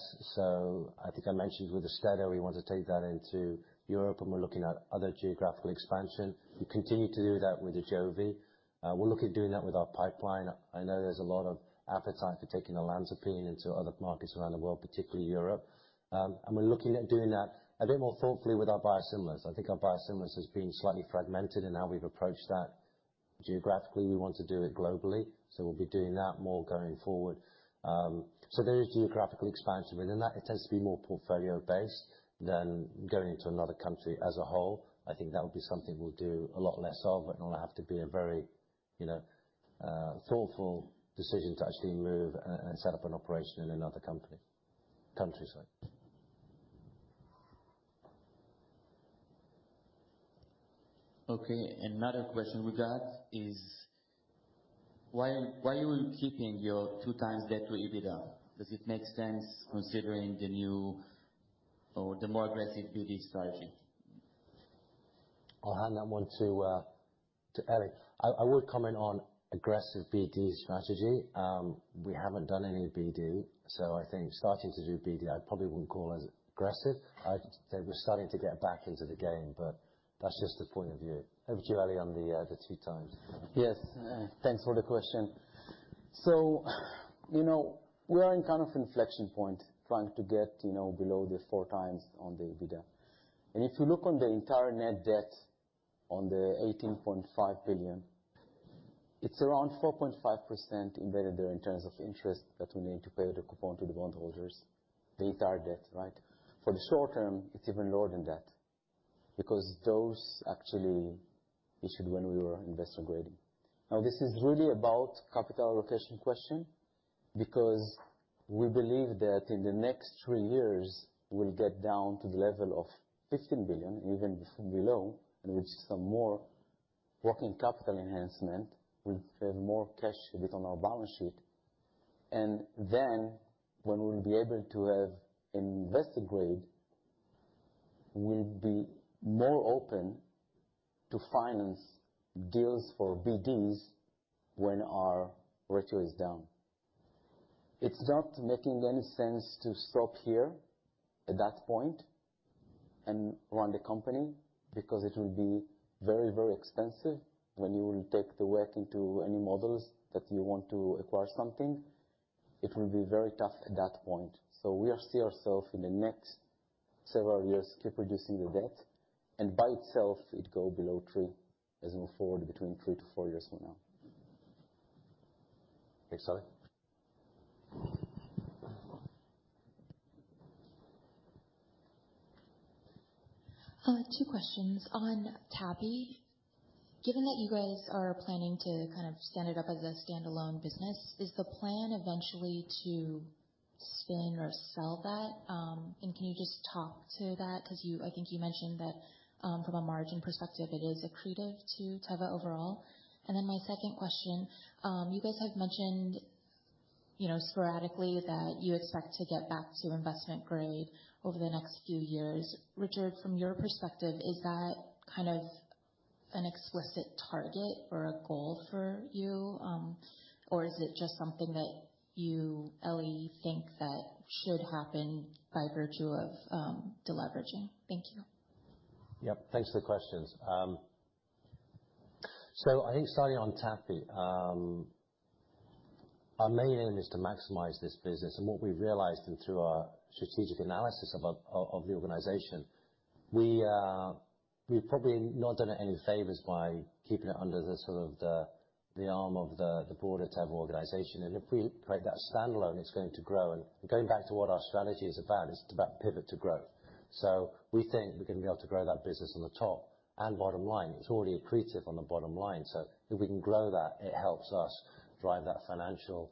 I think I mentioned with AUSTEDO, we want to take that into Europe, and we're looking at other geographical expansion. We continue to do that with AJOVY. We're looking at doing that with our pipeline. I know there's a lot of appetite for taking olanzapine into other markets around the world, particularly Europe. We're looking at doing that a bit more thoughtfully with our biosimilars. I think our biosimilars has been slightly fragmented in how we've approached that geographically. We want to do it globally, so we'll be doing that more going forward. There is geographical expansion within that. It tends to be more portfolio-based than going into another country as a whole. I think that would be something we'll do a lot less of, and it'll have to be a very, you know, thoughtful decision to actually move and set up an operation in another country, sorry. Okay. Another question we got is why are you keeping your two times debt to EBITDA? Does it make sense considering the new or the more aggressive BD strategy? I'll hand that one to Eli. I would comment on aggressive BD strategy. We haven't done any BD, I think starting to do BD, I probably wouldn't call it aggressive. I'd say we're starting to get back into the game, that's just a point of view. Over to Eli on the two times. Yes. thanks for the question. you know, we are in kind of inflection point trying to get, you know, below the four times on the EBITDA. If you look on the entire net debt on the $18.5 billion, it's around 4.5% embedded there in terms of interest that we need to pay the coupon to the bondholders, the entire debt, right? For the short term, it's even lower than that because those actually issued when we were investor grading. This is really about capital allocation question because we believe that in the next three years, we'll get down to the level of $15 billion, even below, with some more working capital enhancement. We'll have more cash a bit on our balance sheet. When we'll be able to have investor grade, we'll be more open to finance deals for BDs when our ratio is down. It's not making any sense to stop here at that point and run the company because it will be very, very expensive when you will take the work into any models that you want to acquire something. It will be very tough at that point. We are see ourself in the next several years keep reducing the debt, and by itself, it go below three as we move forward between three to four years from now. Thanks, Eli. Two questions. On TAPI, given that you guys are planning to kind of stand it up as a standalone business, is the plan eventually to spin or sell that? Can you just talk to that? 'Cause I think you mentioned that, from a margin perspective, it is accretive to Teva overall. My second question, you guys have mentioned, you know, sporadically that you expect to get back to investment grade over the next few years. Richard, from your perspective, is that kind of an explicit target or a goal for you? Or is it just something that you, Eli, think that should happen by virtue of deleveraging? Thank you. Yep, thanks for the questions. I think starting on TAPI, our main aim is to maximize this business. What we've realized through our strategic analysis of the organization, we've probably not done it any favors by keeping it under the sort of the arm of the broader Teva organization. If we make that standalone, it's going to grow. Going back to what our strategy is about, it's about Pivot to Growth. We think we're gonna be able to grow that business on the top and bottom line. It's already accretive on the bottom line, so if we can grow that, it helps us drive that financial,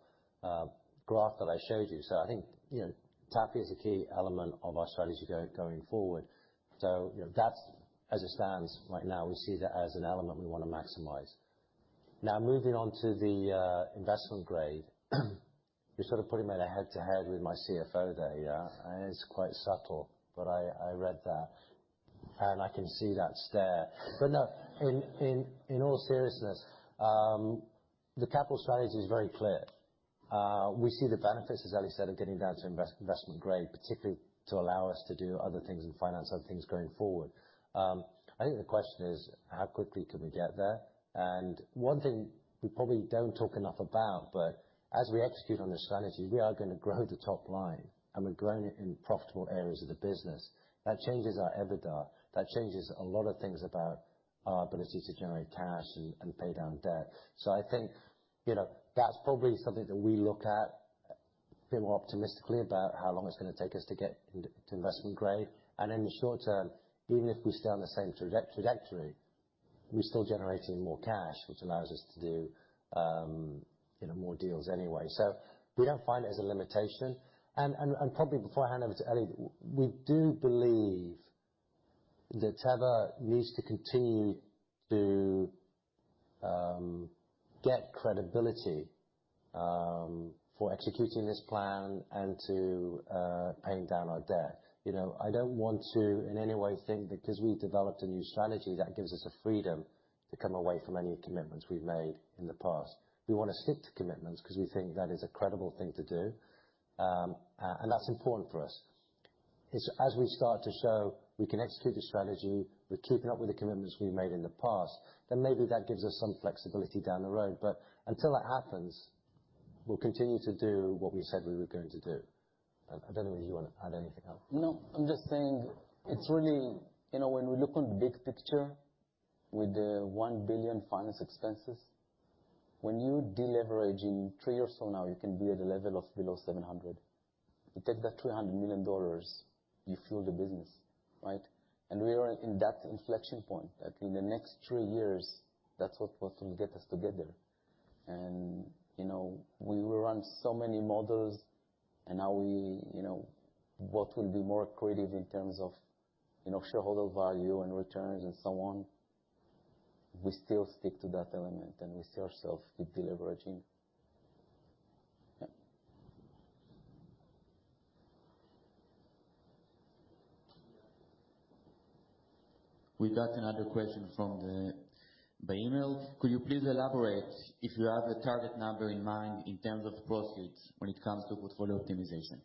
graph that I showed you. I think, you know, TAPI is a key element of our strategy going forward. You know, that's as it stands right now, we see that as an element we wanna maximize. Moving on to the investment grade. You're sort of putting me in a head-to-head with my CFO there, yeah. It's quite subtle, but I read that and I can see that stare. No, in all seriousness, the capital strategy is very clear. We see the benefits, as Eli said, of getting down to investment grade, particularly to allow us to do other things and finance other things going forward. I think the question is how quickly can we get there? One thing we probably don't talk enough about, but as we execute on the strategy, we are gonna grow the top line, and we're growing it in profitable areas of the business. That changes our EBITDA. That changes a lot of things about our ability to generate cash and pay down debt. I think, you know, that's probably something that we look at feel more optimistically about how long it's gonna take us to get to investment grade. In the short term, even if we stay on the same trajectory, we're still generating more cash, which allows us to do, you know, more deals anyway. We don't find it as a limitation. Probably before I hand over to Eli, we do believe that Teva needs to continue to get credibility for executing this plan and to paying down our debt. You know, I don't want to, in any way think because we developed a new strategy that gives us the freedom to come away from any commitments we've made in the past. We wanna stick to commitments because we think that is a credible thing to do, and that's important for us. It's, as we start to show we can execute the strategy, we're keeping up with the commitments we made in the past, then maybe that gives us some flexibility down the road. Until that happens, we'll continue to do what we said we were going to do. I don't know whether you want to add anything else. No, I'm just saying it's really, you know, when we look on the big picture with the $1 billion finance expenses, when you deleveraging three or so now you can be at a level of below $700 million. You take that $300 million, you fuel the business, right? We are in that inflection point that in the next three years, that's what will get us together. You know, we run so many models and how we, you know, what will be more accretive in terms of, you know, shareholder value and returns and so on. We still stick to that element and we see ourselves with deleveraging. Yeah. We got another question by email. Could you please elaborate if you have a target number in mind in terms of proceeds when it comes to portfolio optimization?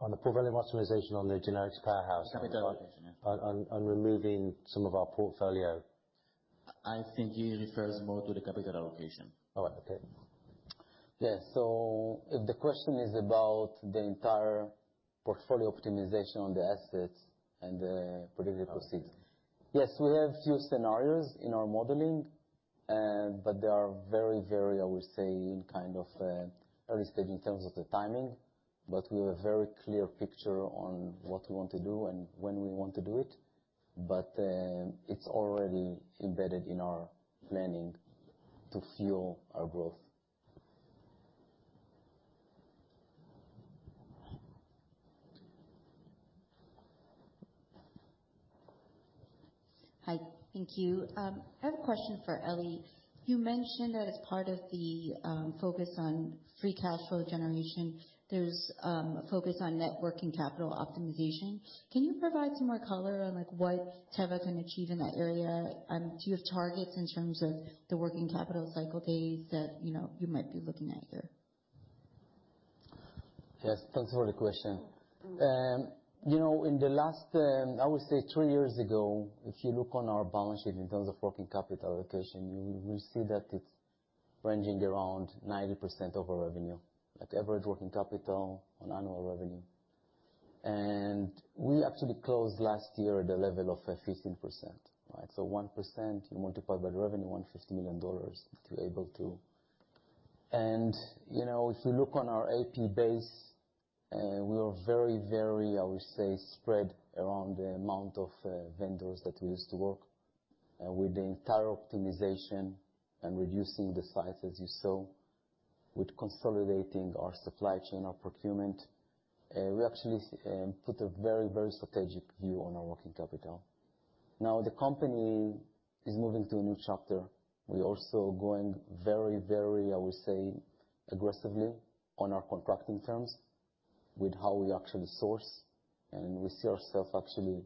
On the portfolio optimization or on the generics powerhouse? Capital allocation, yeah. On removing some of our portfolio. I think he refers more to the capital allocation. All right. Okay. Yeah. If the question is about the entire portfolio optimization on the assets and the predicted proceeds. Okay. Yes. We have few scenarios in our modeling, but they are very, very, I would say, in kind of, early stage in terms of the timing, but we have a very clear picture on what we want to do and when we want to do it. It's already embedded in our planning to fuel our growth. Hi. Thank you. I have a question for Eli. You mentioned that as part of the focus on free cash flow generation, there's a focus on net working capital optimization. Can you provide some more color on, like, what Teva can achieve in that area? Do you have targets in terms of the working capital cycle days that, you know, you might be looking at here? Yes. Thanks for the question. You know, in the last, I would say three years ago, if you look on our balance sheet in terms of working capital allocation, you will see that it's ranging around 90% of our revenue. Like average working capital on annual revenue. We actually closed last year at a level of 15%, right? 1%, you multiply by the revenue, $150 million if you're able to. You know, if you look on our AP base, we are very, very, I would say, spread around the amount of vendors that we used to work. With the entire optimization and reducing the size, as you saw, with consolidating our supply chain, our procurement, we actually put a very, very strategic view on our working capital. Now the company is moving to a new chapter. We're also going very, I would say, aggressively on our contracting terms with how we actually source, and we see ourself actually.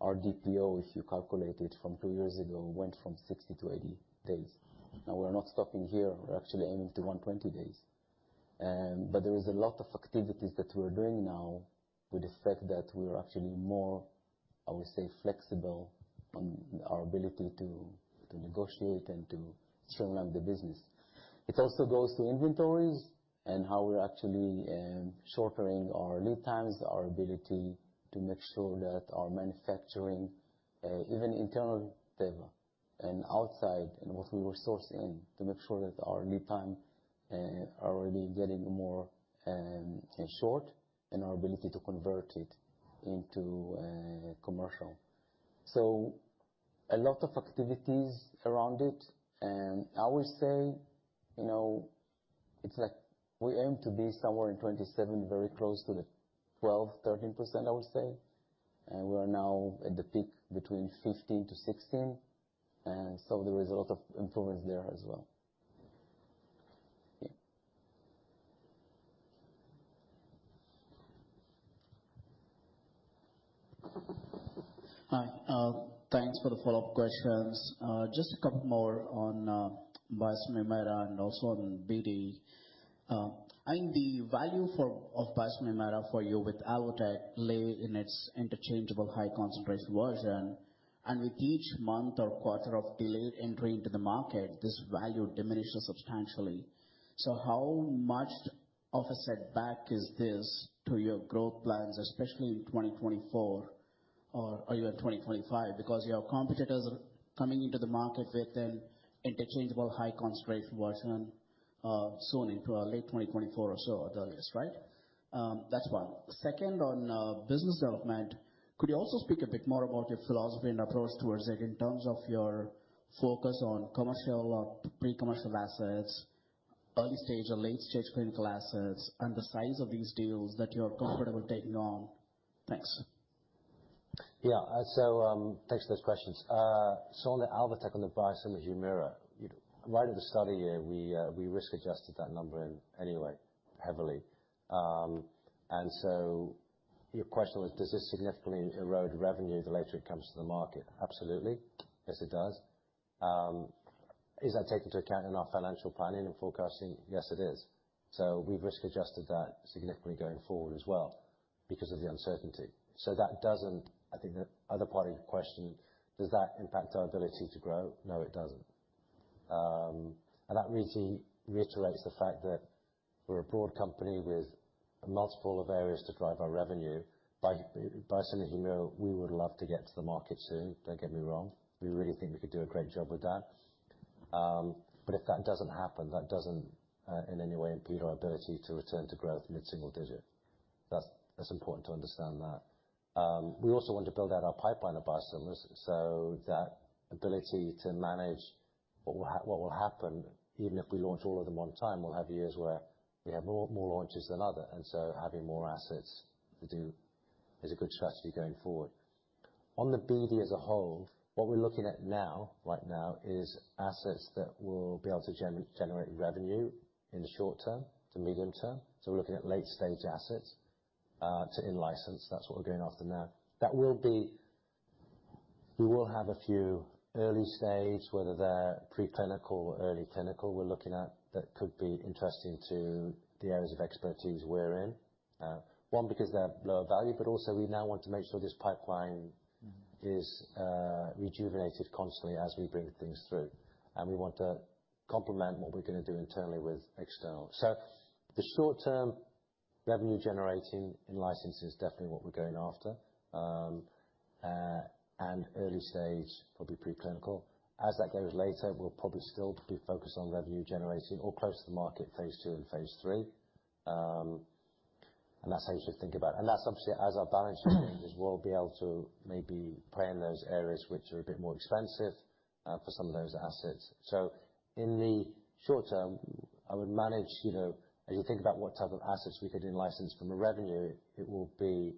Our DPO, if you calculated from two years ago, went from 60 to 80 days. Now we're not stopping here. We're actually aiming to 120 days. There is a lot of activities that we're doing now with the fact that we're actually more, I would say, flexible on our ability to negotiate and to strengthen the business. It also goes to inventories and how we're actually shortening our lead times, our ability to make sure that our manufacturing, even internal Teva and outside and what we were sourcing to make sure that our lead time are really getting more short and our ability to convert it into commercial. A lot of activities around it. I would say, you know, it's like we aim to be somewhere in 27, very close to the 12%-13% I would say. We are now at the peak between 15%-16%. There is a lot of improvements there as well. Yeah. Hi. Thanks for the follow-up questions. Just a couple more on biosimilar Humira and also on BD. I think the value of biosimilar Humira for you with Alvotech lay in its interchangeable high concentrated version. With each month or quarter of delayed entry into the market, this value diminishes substantially. How much of a setback is this to your growth plans, especially in 2024 or even 2025? Your competitors are coming into the market with an interchangeable high concentrated version soon into late 2024 or so at the earliest, right? That's one. Second, on business development, could you also speak a bit more about your philosophy and approach towards it in terms of your focus on commercial or pre-commercial assets, early stage or late stage clinical assets, and the size of these deals that you're comfortable taking on? Thanks. Yeah. Thanks for those questions. On the Alvotech, on the biosimilar Humira, right at the study year, we risk adjusted that number in any way heavily. Your question was, does this significantly erode revenue the later it comes to the market? Absolutely. Yes, it does. Is that taken into account in our financial planning and forecasting? Yes, it is. We've risk adjusted that significantly going forward as well because of the uncertainty. That doesn't, I think the other part of your question, does that impact our ability to grow? No, it doesn't. That really reiterates the fact that we're a broad company with multiple of areas to drive our revenue. Biosimilar Humira, we would love to get to the market soon. Don't get me wrong. We really think we could do a great job with that. If that doesn't happen, that doesn't in any way impede our ability to return to growth mid-single digit. That's important to understand that. We also want to build out our pipeline of biosimilars, that ability to manage what will happen even if we launch all of them one time, we'll have years where we have more launches than other. Having more assets to do is a good strategy going forward. On the BD as a whole, what we're looking at now, right now is assets that will be able to generate revenue in the short term to medium term. We're looking at late-stage assets to in-license. That's what we're going after now. We will have a few early stage, whether they're preclinical or early clinical we're looking at, that could be interesting to the areas of expertise we're in. One, because they're lower value, but also we now want to make sure this pipeline is rejuvenated constantly as we bring things through. We want to complement what we're gonna do internally with external. The short term revenue generating in-license is definitely what we're going after. Early stage will be pre-clinical. As that goes later, we'll probably still be focused on revenue generating or close to the market phase II and phase III. That's how you should think about it. That's obviously as our balance sheet as we'll be able to maybe play in those areas which are a bit more expensive for some of those assets. In the short term, I would manage, you know, as you think about what type of assets we could in-license from a revenue, it will be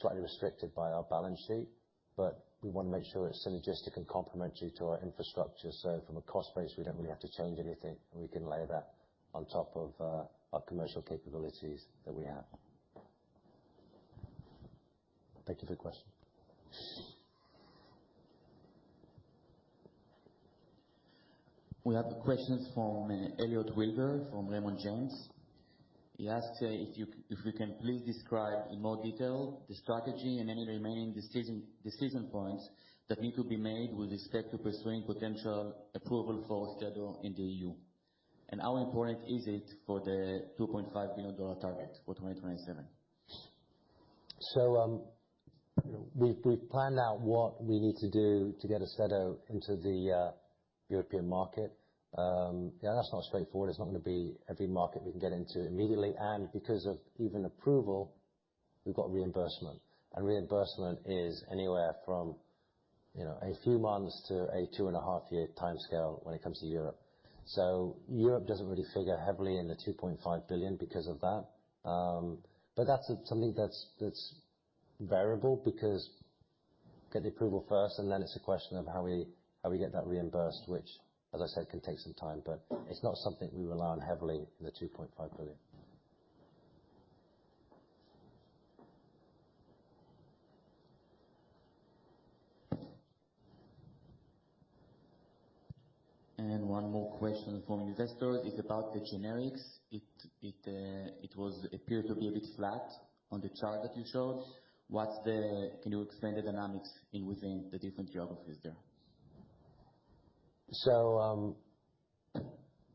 slightly restricted by our balance sheet, but we wanna make sure it's synergistic and complementary to our infrastructure. From a cost base, we don't really have to change anything, and we can layer that on top of our commercial capabilities that we have. Thank you for the question. We have a question from Elliot Wilbur from Raymond James. He asks if you can please describe in more detail the strategy and any remaining decision points that need to be made with respect to pursuing potential approval for AUSTEDO in the EU. How important is it for the $2.5 billion target for 2027? We've planned out what we need to do to get AUSTEDO into the European market. Yeah, that's not straightforward. It's not gonna be every market we can get into immediately. Because of even approval, we've got reimbursement. Reimbursement is anywhere from, you know, a few months to a two and a half year timescale when it comes to Europe. Europe doesn't really figure heavily in the $2.5 billion because of that. That's something that's variable because get the approval first, and then it's a question of how we get that reimbursed, which as I said, can take some time, but it's not something we rely on heavily in the $2.5 billion. One more question from investors is about the generics. It appeared to be a bit flat on the chart that you showed. Can you explain the dynamics in within the different geographies there?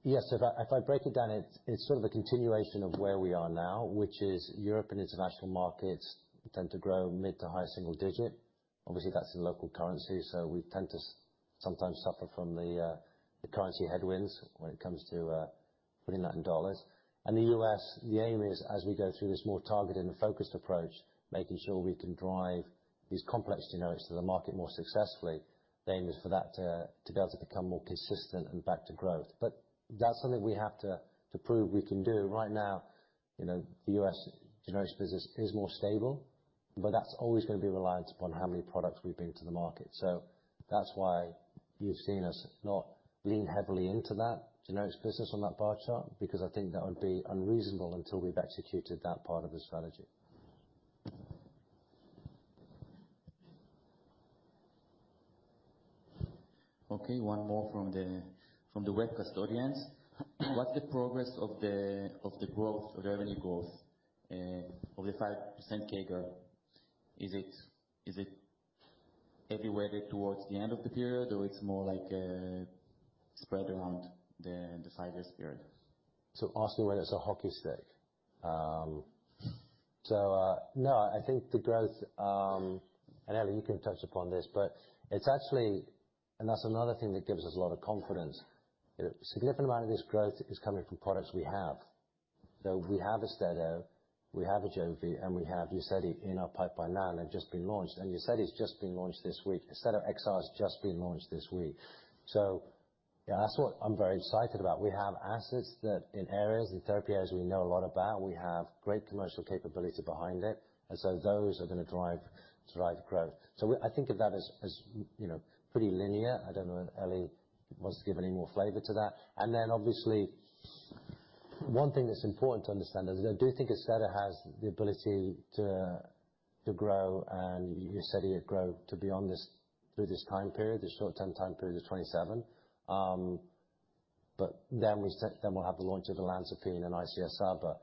Yes. If I break it down, it's sort of a continuation of where we are now, which is European international markets tend to grow mid to high single-digit. Obviously, that's in local currency, so we tend to sometimes suffer from the currency headwinds when it comes to putting that in $. The U.S., the aim is as we go through this more targeted and focused approach, making sure we can drive these complex generics to the market more successfully. The aim is for that to be able to become more consistent and back to growth. That's something we have to prove we can do. Right now, you know, the U.S. generics business is more stable, but that's always gonna be reliant upon how many products we bring to the market. That's why you've seen us not lean heavily into that generics business on that bar chart, because I think that would be unreasonable until we've executed that part of the strategy. Okay, one more from the web custodians. What's the progress of the growth, revenue growth, of the 5% CAGR? Is it everywhere towards the end of the period, or it's more like, spread around the five-year period? Asking whether it's a hockey stick. No, I think the growth, and Eli, you can touch upon this. It's actually, and that's another thing that gives us a lot of confidence. A significant amount of this growth is coming from products we have. We have AUSTEDO, we have AJOVY, and we have UZEDY in our pipeline now and have just been launched. UZEDY's just been launched this week. AUSTEDO XR has just been launched this week. That's what I'm very excited about. We have assets that in areas, in therapy areas we know a lot about. We have great commercial capability behind it. Those are gonna drive growth. I think of that as, you know, pretty linear. I don't know if Eli wants to give any more flavor to that. Obviously, one thing that's important to understand is I do think AUSTEDO has the ability to grow and UZEDY grow to beyond this, through this time period, the short-term time period of 27. We'll have the launch of olanzapine and ICS/Saba.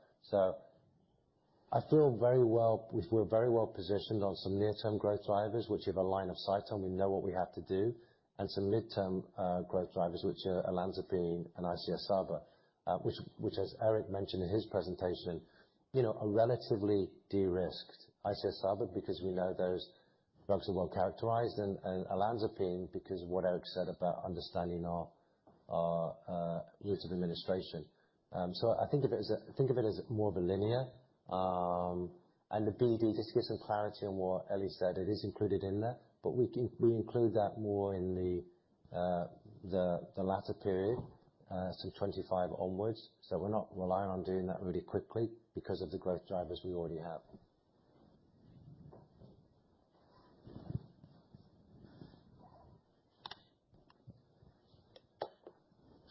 I feel we're very well-positioned on some near-term growth drivers, which have a line of sight, and we know what we have to do, and some midterm growth drivers, which are olanzapine and ICS/Saba. Which as Eric mentioned in his presentation, you know, a relatively de-risked ICS/Saba because we know those drugs are well-characterized, and olanzapine because of what Eric said about understanding our route of administration. I think of it as, think of it as more of a linear, and the BD, just to give some clarity on what Eli said, it is included in there. We include that more in the, the latter period, so 25 onwards. We're not reliant on doing that really quickly because of the growth drivers we already have.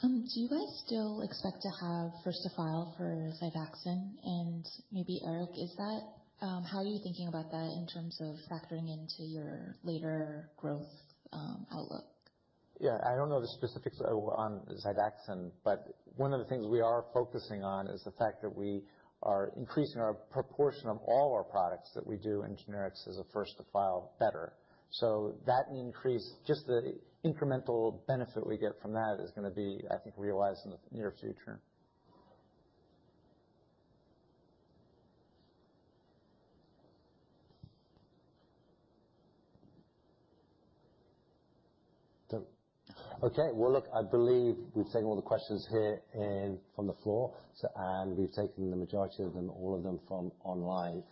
Do you guys still expect to have first to file for Xifaxan? Maybe Eric, is that... How are you thinking about that in terms of factoring into your later growth, outlook? Yeah. I don't know the specifics on Xifaxan, one of the things we are focusing on is the fact that we are increasing our proportion of all our products that we do in generics as a first to file better. That increase, just the incremental benefit we get from that is gonna be, I think, realized in the near future. Okay. Well, look, I believe we've taken all the questions here and from the floor, we've taken the majority of them, all of them from online.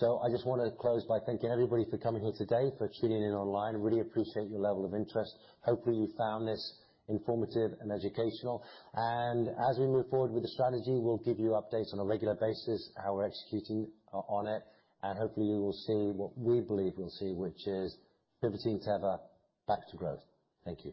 I just wanna close by thanking everybody for coming here today, for tuning in online. Really appreciate your level of interest. Hopefully, you found this informative and educational. As we move forward with the strategy, we'll give you updates on a regular basis, how we're executing on it. Hopefully, you will see what we believe we'll see, which is pivoting Teva back to growth. Thank you.